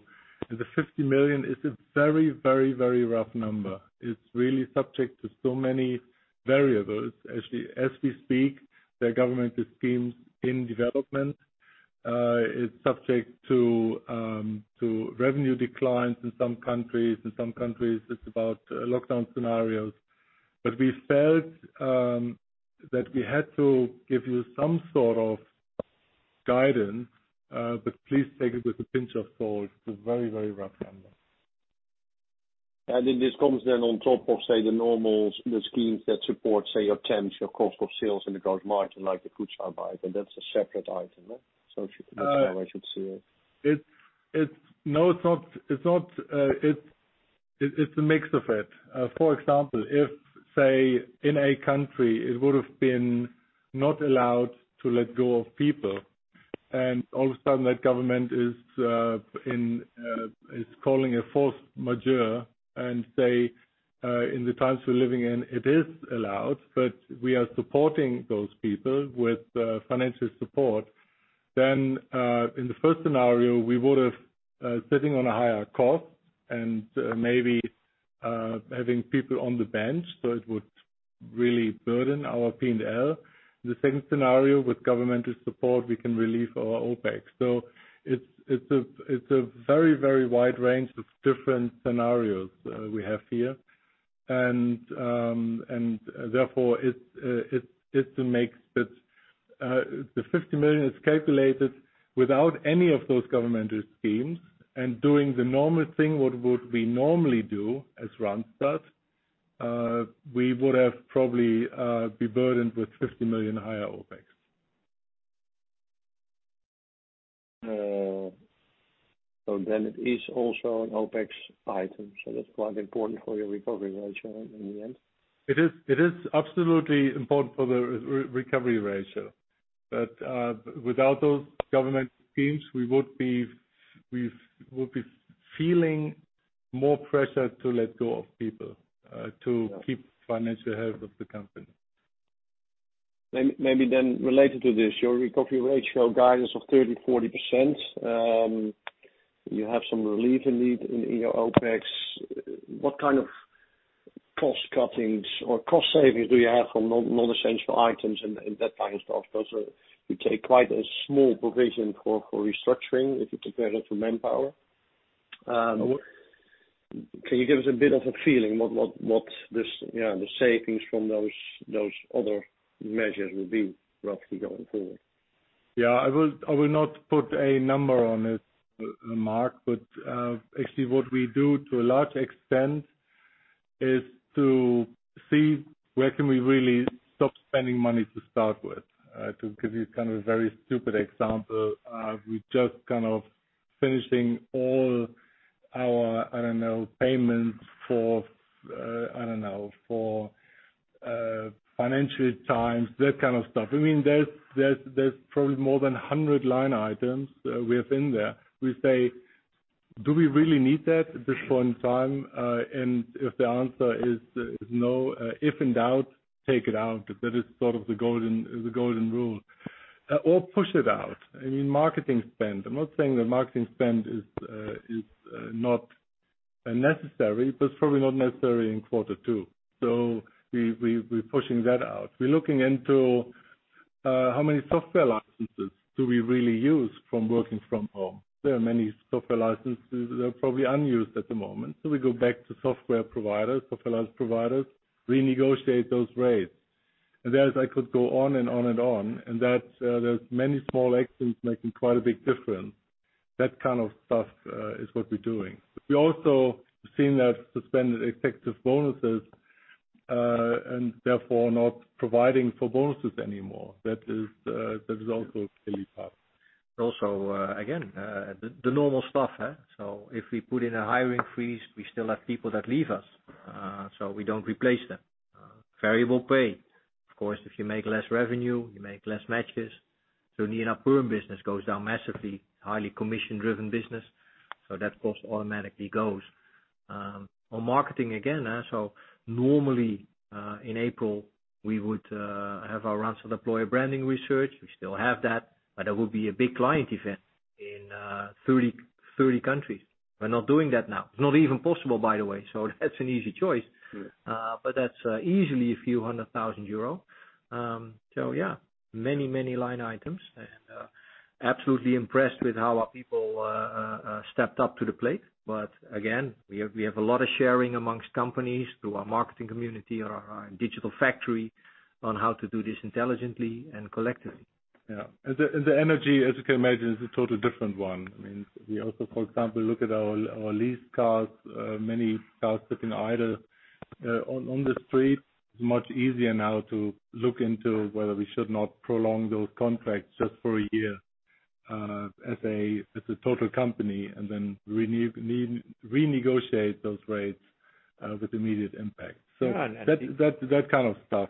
The 50 million is a very, very, very rough number. It's really subject to so many variables. As we speak, there are governmental schemes in development. It's subject to revenue declines in some countries. In some countries, it's about lockdown scenarios. We felt that we had to give you some sort of guidance, but please take it with a pinch of salt. It's a very, very rough number. This comes then on top of, say, the normals, the schemes that support, say, your temps, your cost of sales in the German market, like the Kurzarbeit, and that's a separate item? if you could explain how I should see it. No. It's a mix of it. For example, if, say, in a country it would have been not allowed to let go of people and all of a sudden that government is calling a force majeure and say in the times we're living in it is allowed, but we are supporting those people with financial support, then, in the first scenario, we would have sitting on a higher cost and maybe having people on the bench, so it would really burden our P&L. The second scenario with governmental support, we can relieve our OpEx. It's a very, very wide range of different scenarios we have here and therefore it's to make bits. The 50 million is calculated without any of those governmental schemes and doing the normal thing, what would we normally do as Randstad, we would have probably be burdened with 50 million higher OpEx. It is also an OpEx item, so that's quite important for your recovery ratio in the end. It is absolutely important for the recovery ratio. Without those government schemes, we would be feeling more pressure to let go of people to keep financial health of the company. Maybe related to this, your recovery ratio guidance of 30%-40%. You have some relief indeed in your OpEx. What kind of cost cuttings or cost savings do you have on non-essential items and that kind of stuff? Because you take quite a small provision for restructuring if you compare it to Manpower. Can you give us a bit of a feeling what the savings from those other measures will be roughly going forward? Yeah. I will not put a number on it, Mark, but actually what we do to a large extent is to see where can we really stop spending money to start with. To give you kind of a very stupid example, we just kind of finishing all our, I don't know, payments for Financial Times, that kind of stuff. There's probably more than 100 line items within there. We say, "Do we really need that at this point in time?" if the answer is no, if in doubt, take it out. That is sort of the golden rule. push it out. In marketing spend, I'm not saying that marketing spend is not necessary, but it's probably not necessary in quarter two. we're pushing that out. We're looking into how many software licenses do we really use from working from home. There are many software licenses that are probably unused at the moment. We go back to software providers, software license providers, renegotiate those rates. Thus I could go on and on and on, and there's many small actions making quite a big difference. That kind of stuff is what we're doing. We also have seen that suspended effective bonuses, and therefore not providing for bonuses anymore. That is also a silly part. Also, again, the normal stuff. If we put in a hiring freeze, we still have people that leave us, so we don't replace them. Variable pay, of course, if you make less revenue, you make less matches. Our perm business goes down massively, highly commission-driven business, so that cost automatically goes. On marketing again, so normally, in April, we would have our rounds of employer branding research. We still have that, but there will be a big client event in 30 countries. We're not doing that now. It's not even possible, by the way, so that's an easy choice. Sure. that's easily a few hundred thousand euro. yeah, many line items, and absolutely impressed with how our people stepped up to the plate. again, we have a lot of sharing among companies through our marketing community or our digital factory on how to do this intelligently and collectively. Yeah. The energy, as you can imagine, is a total different one. We also, for example, look at our lease cars, many cars sitting idle on the street. It's much easier now to look into whether we should not prolong those contracts just for a year as a total company, and then renegotiate those rates with immediate impact. That kind of stuff.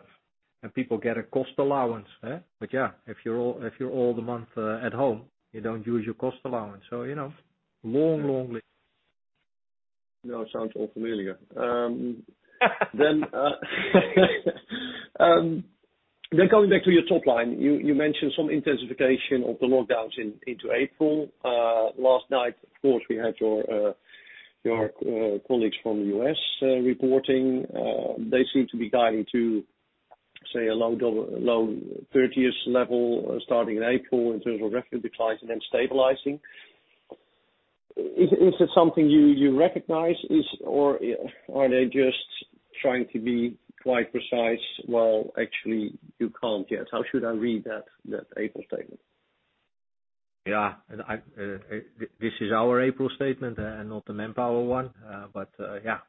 People get a cost allowance. yeah, if you're all the month at home, you don't use your cost allowance. long list. Yeah, it sounds all familiar. coming back to your top line, you mentioned some intensification of the lockdowns into April. Last night, of course, we had your colleagues from the U.S. reporting. They seem to be guiding to, say, a low 30ish level starting in April in terms of revenue decline and then stabilizing. Is it something you recognize? are they just trying to be quite precise, while actually you can't yet? How should I read that April statement? Yeah. This is our April statement and not the Manpower one. Yeah,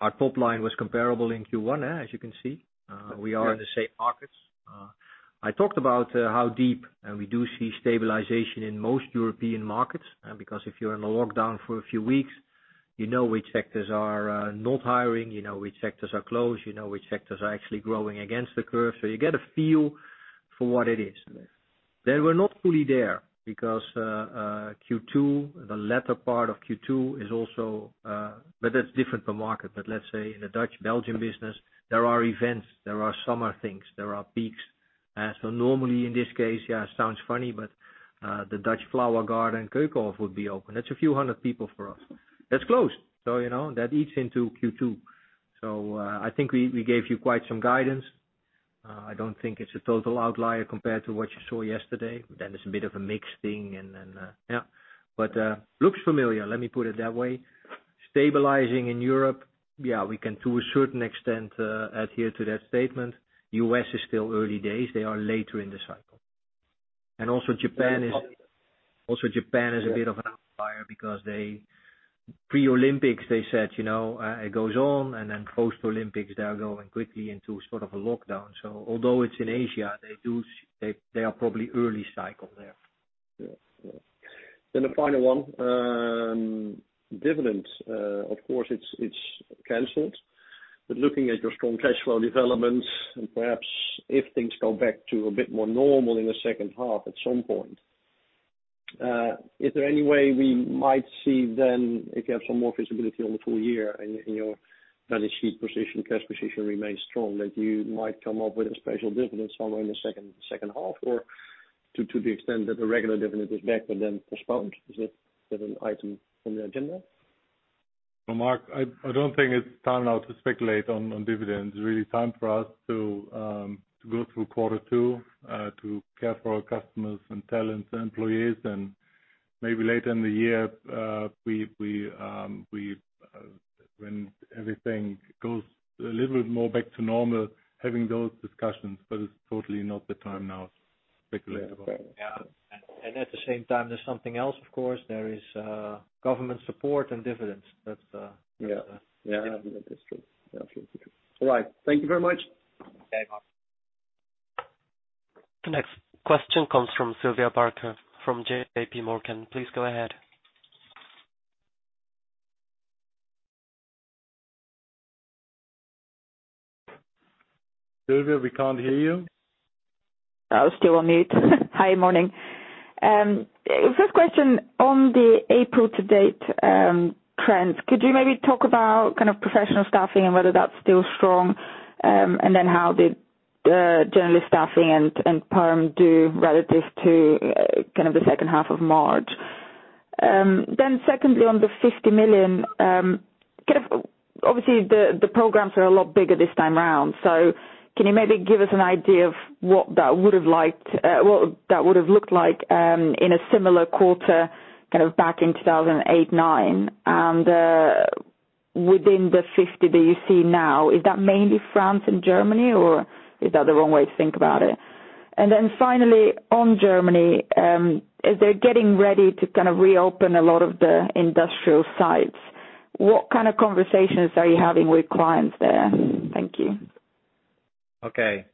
our top line was comparable in Q1, as you can see. We are in the same markets. I talked about how deep, and we do see stabilization in most European markets. Because if you're in a lockdown for a few weeks, you know which sectors are not hiring, you know which sectors are closed, you know which sectors are actually growing against the curve. You get a feel for what it is. Yes. We're not fully there because the latter part of Q2 is also that's different per market. let's say in the Dutch-Belgium business, there are events, there are summer things, there are peaks. normally, in this case, yeah, it sounds funny, but the Dutch flower garden, Keukenhof, would be open. That's a few hundred people for us. That's closed. that eats into Q2. I think we gave you quite some guidance. I don't think it's a total outlier compared to what you saw yesterday. it's a bit of a mixed thing and then, yeah. looks familiar, let me put it that way. Stabilizing in Europe, yeah, we can, to a certain extent, adhere to that statement. U.S. is still early days. They are later in the cycle. Also Japan is a bit of an outlier because pre-Olympics, they said, "It goes on," and then post-Olympics, they are going quickly into sort of a lockdown. although it's in Asia, they are probably early cycle there. Yeah. the final one, dividends, of course, it's canceled. looking at your strong cash flow developments, and perhaps if things go back to a bit more normal in the second half at some point, is there any way we might see then if you have some more visibility on the full year and your balance sheet position, cash position remains strong, that you might come up with a special dividend somewhere in the second half, or to the extent that the regular dividend is back but then postponed? Is it an item on the agenda? Well, Marc, I don't think it's time now to speculate on dividends. It's really time for us to go through quarter two, to care for our customers and talents, employees, and maybe later in the year, when everything goes a little bit more back to normal, having those discussions, but it's totally not the time now to speculate about it. Yeah. At the same time, there's something else, of course, there is government support and dividends. That's- Yeah. That's true. All right. Thank you very much. Okay, Mark. The next question comes from Sylvia Barker from JPMorgan. Please go ahead. Sylvia, we can't hear you. Oh, still on mute. Hi, morning. First question on the April to date trends. Could you maybe talk about professional staffing and whether that's still strong? How did general staffing and perm do relative to the second half of March? Secondly, on the 50 million, obviously the programs are a lot bigger this time around. Can you maybe give us an idea of what that would've looked like in a similar quarter back in 2008, 2009? Within the 50 that you see now, is that mainly France and Germany, or is that the wrong way to think about it? Finally, on Germany, as they're getting ready to reopen a lot of the industrial sites, what kind of conversations are you having with clients there? Thank you. Okay.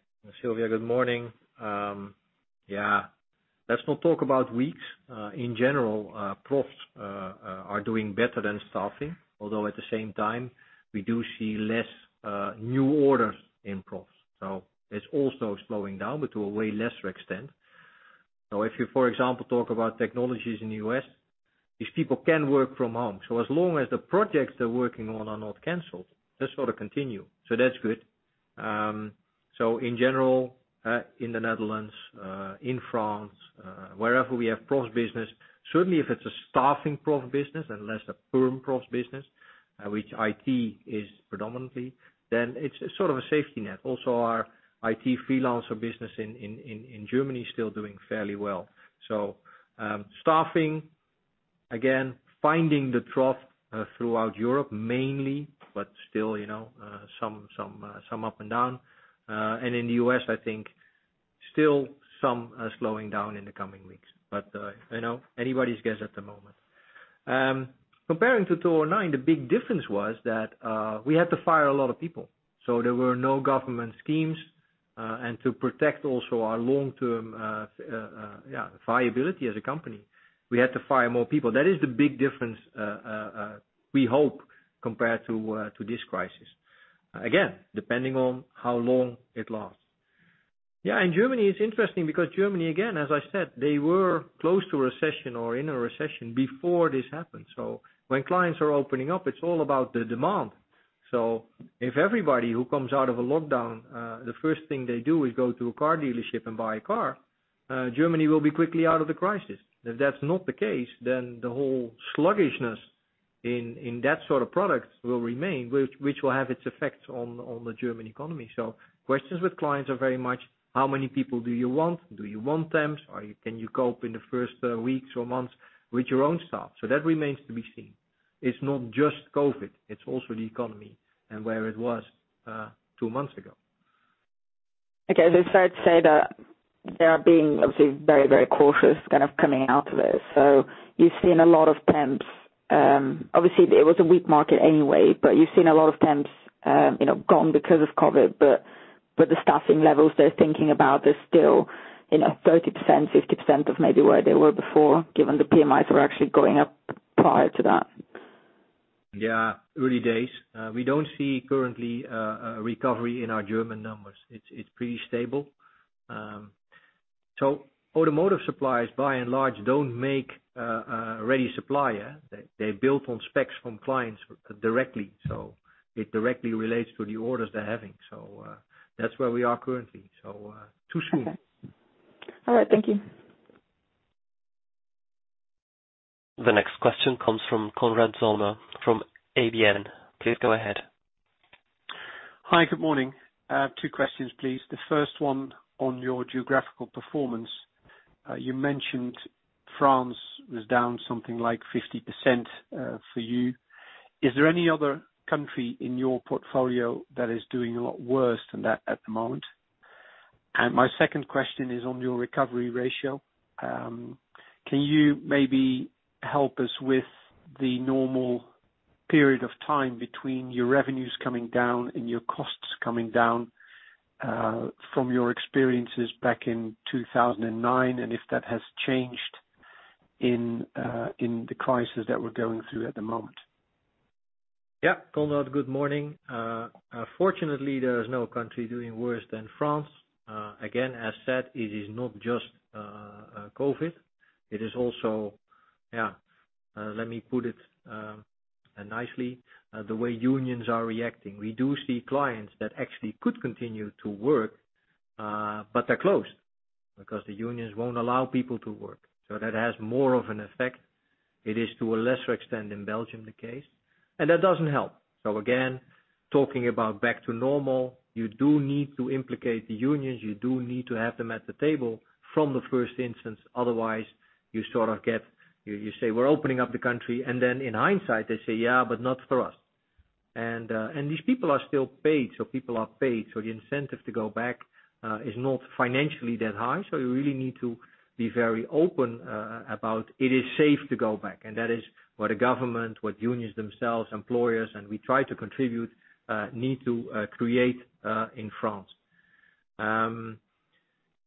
Sylvia, good morning. Yeah. Let's not talk about weeks. In general, profs are doing better than staffing, although at the same time, we do see less new orders in prof. It's also slowing down, but to a way lesser extent. If you, for example, talk about technologies in the U.S., these people can work from home. As long as the projects they're working on are not canceled, they sort of continue. That's good. In general, in the Netherlands, in France, wherever we have prof business, certainly if it's a staffing prof business and less a perm prof business, which IT is predominantly, then it's sort of a safety net. Also, our IT freelancer business in Germany is still doing fairly well. Staffing, again, finding the trough throughout Europe mainly, but still some up and down. In the U.S., I think still some slowing down in the coming weeks. Anybody's guess at the moment. Comparing to 2009, the big difference was that we had to fire a lot of people. There were no government schemes. To protect also our long-term viability as a company, we had to fire more people. That is the big difference we hope compared to this crisis. Again, depending on how long it lasts. Yeah, in Germany, it's interesting because Germany, again, as I said, they were close to recession or in a recession before this happened. When clients are opening up, it's all about the demand. If everybody who comes out of a lockdown, the first thing they do is go to a car dealership and buy a car, Germany will be quickly out of the crisis. If that's not the case, then the whole sluggishness in that sort of product will remain which will have its effects on the German economy. Questions with clients are very much, how many people do you want? Do you want temps, or can you cope in the first weeks or months with your own staff? That remains to be seen. It's not just COVID, it's also the economy and where it was two months ago. Okay. Is it fair to say that they are being obviously very, very cautious kind of coming out of it? You've seen a lot of temps. Obviously, it was a weak market anyway, but you've seen a lot of temps gone because of COVID. The staffing levels they're thinking about are still 30%, 50% of maybe where they were before, given the PMIs were actually going up prior to that. Yeah. Early days. We don't see currently a recovery in our German numbers. It's pretty stable. Automotive suppliers, by and large, don't make a ready supplier. They're built on specs from clients directly, so it directly relates to the orders they're having. That's where we are currently. Too soon. Okay. All right. Thank you. The next question comes from Konrad Zomer from ABN. Please go ahead. Hi. Good morning. Two questions, please. The first one on your geographical performance. You mentioned France was down something like 50% for you. Is there any other country in your portfolio that is doing a lot worse than that at the moment? My second question is on your recovery ratio. Can you maybe help us with the normal period of time between your revenues coming down and your costs coming down from your experiences back in 2009, and if that has changed in the crisis that we're going through at the moment? Yeah. Konrad, good morning. Fortunately, there is no country doing worse than France. Again, as said, it is not just COVID, it is also. Let me put it nicely. The way unions are reacting. We do see clients that actually could continue to work, but they're closed because the unions won't allow people to work. That has more of an effect. It is to a lesser extent in Belgium the case, and that doesn't help. Again, talking about back to normal, you do need to implicate the unions. You do need to have them at the table from the first instance. Otherwise, you sort of get. You say, "We're opening up the country." Then in hindsight, they say, "Yeah, but not for us." These people are still paid, so people are paid. The incentive to go back is not financially that high. You really need to be very open about it is safe to go back. That is what the government, what unions themselves, employers, and we try to contribute, need to create in France.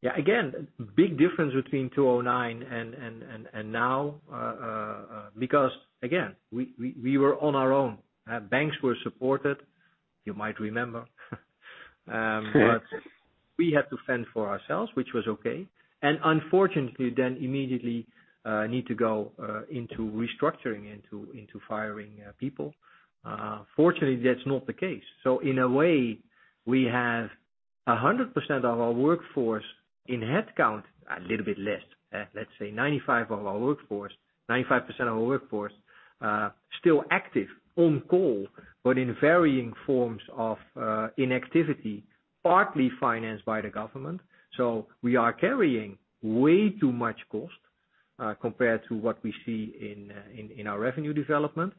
Again, big difference between 2009 and now because, again, we were on our own. Banks were supported, you might remember We had to fend for ourselves, which was okay, and unfortunately then immediately need to go into restructuring, into firing people. Fortunately, that's not the case. In a way, we have 100% of our workforce in headcount, a little bit less, let's say 95% of our workforce, 95% of our workforce, still active on call, but in varying forms of inactivity, partly financed by the government. We are carrying way too much cost compared to what we see in our revenue development,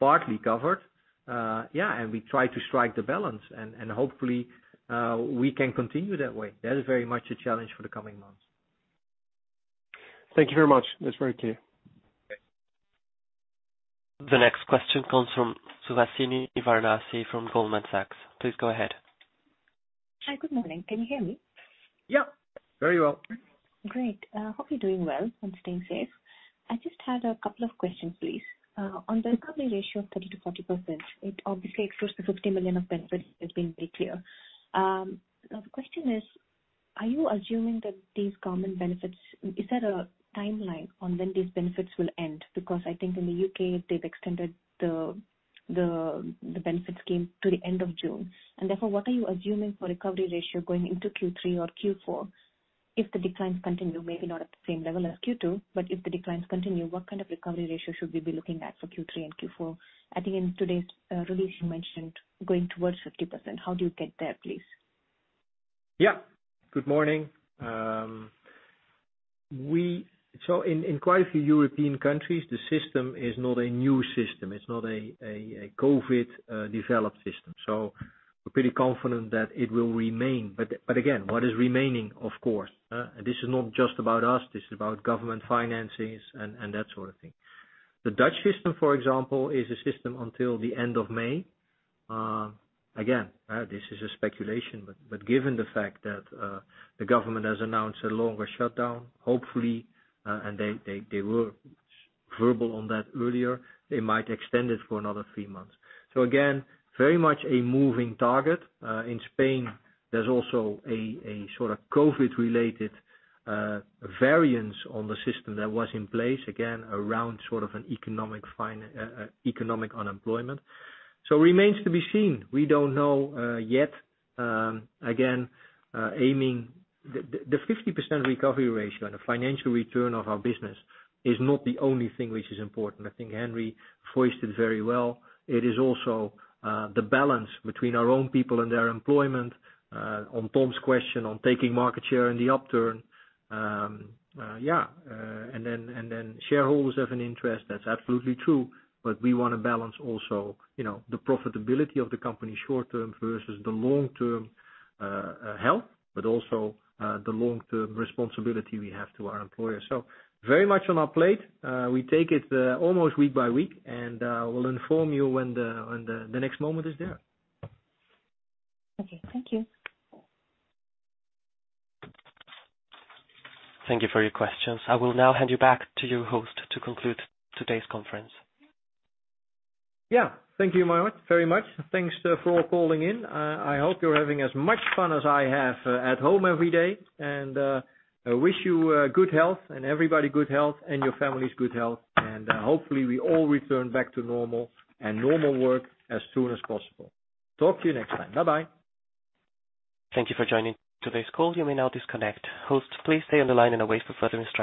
partly covered. Yeah, we try to strike the balance and hopefully, we can continue that way. That is very much a challenge for the coming months. Thank you very much. That's very clear. The next question comes from Suhasini Varanasi from Goldman Sachs. Please go ahead. Hi. Good morning. Can you hear me? Yeah, very well. Great. Hope you're doing well and staying safe. I just had a couple of questions, please. On the recovery ratio of 30%-40%, it obviously excludes the 50 million of benefits, that's been made clear. The question is, are you assuming that these government benefits, is there a timeline on when these benefits will end? Because I think in the U.K., they've extended the benefits scheme to the end of June. Therefore, what are you assuming for recovery ratio going into Q3 or Q4 if the declines continue, maybe not at the same level as Q2, but if the declines continue, what kind of recovery ratio should we be looking at for Q3 and Q4? I think in today's release, you mentioned going towards 50%. How do you get there, please? Yeah. Good morning. in quite a few European countries, the system is not a new system. It's not a COVID-developed system. we're pretty confident that it will remain. again, what is remaining, of course, this is not just about us, this is about government finances and that sort of thing. The Dutch system, for example, is a system until the end of May. Again, this is a speculation but given the fact that the government has announced a longer shutdown, hopefully, and they were verbal on that earlier, they might extend it for another three months. again, very much a moving target. In Spain, there's also a sort of COVID-related variance on the system that was in place, again, around sort of an economic unemployment. remains to be seen. We don't know yet. Again, the 50% recovery ratio and the financial return of our business is not the only thing which is important. I think Henry voiced it very well. It is also the balance between our own people and their employment. On Tom's question on taking market share in the upturn, yeah, and then shareholders have an interest, that's absolutely true, but we want to balance also the profitability of the company short-term versus the long-term health, but also the long-term responsibility we have to our employers. Very much on our plate. We take it almost week by week, and we'll inform you when the next moment is there. Okay. Thank you. Thank you for your questions. I will now hand you back to your host to conclude today's conference. Yeah. Thank you, Mayank, very much. Thanks for calling in. I hope you're having as much fun as I have at home every day, and I wish you good health and everybody good health and your families good health, and hopefully we all return back to normal and normal work as soon as possible. Talk to you next time. Bye-bye. Thank you for joining today's call. You may now disconnect. Hosts, please stay on the line and await for further instructions.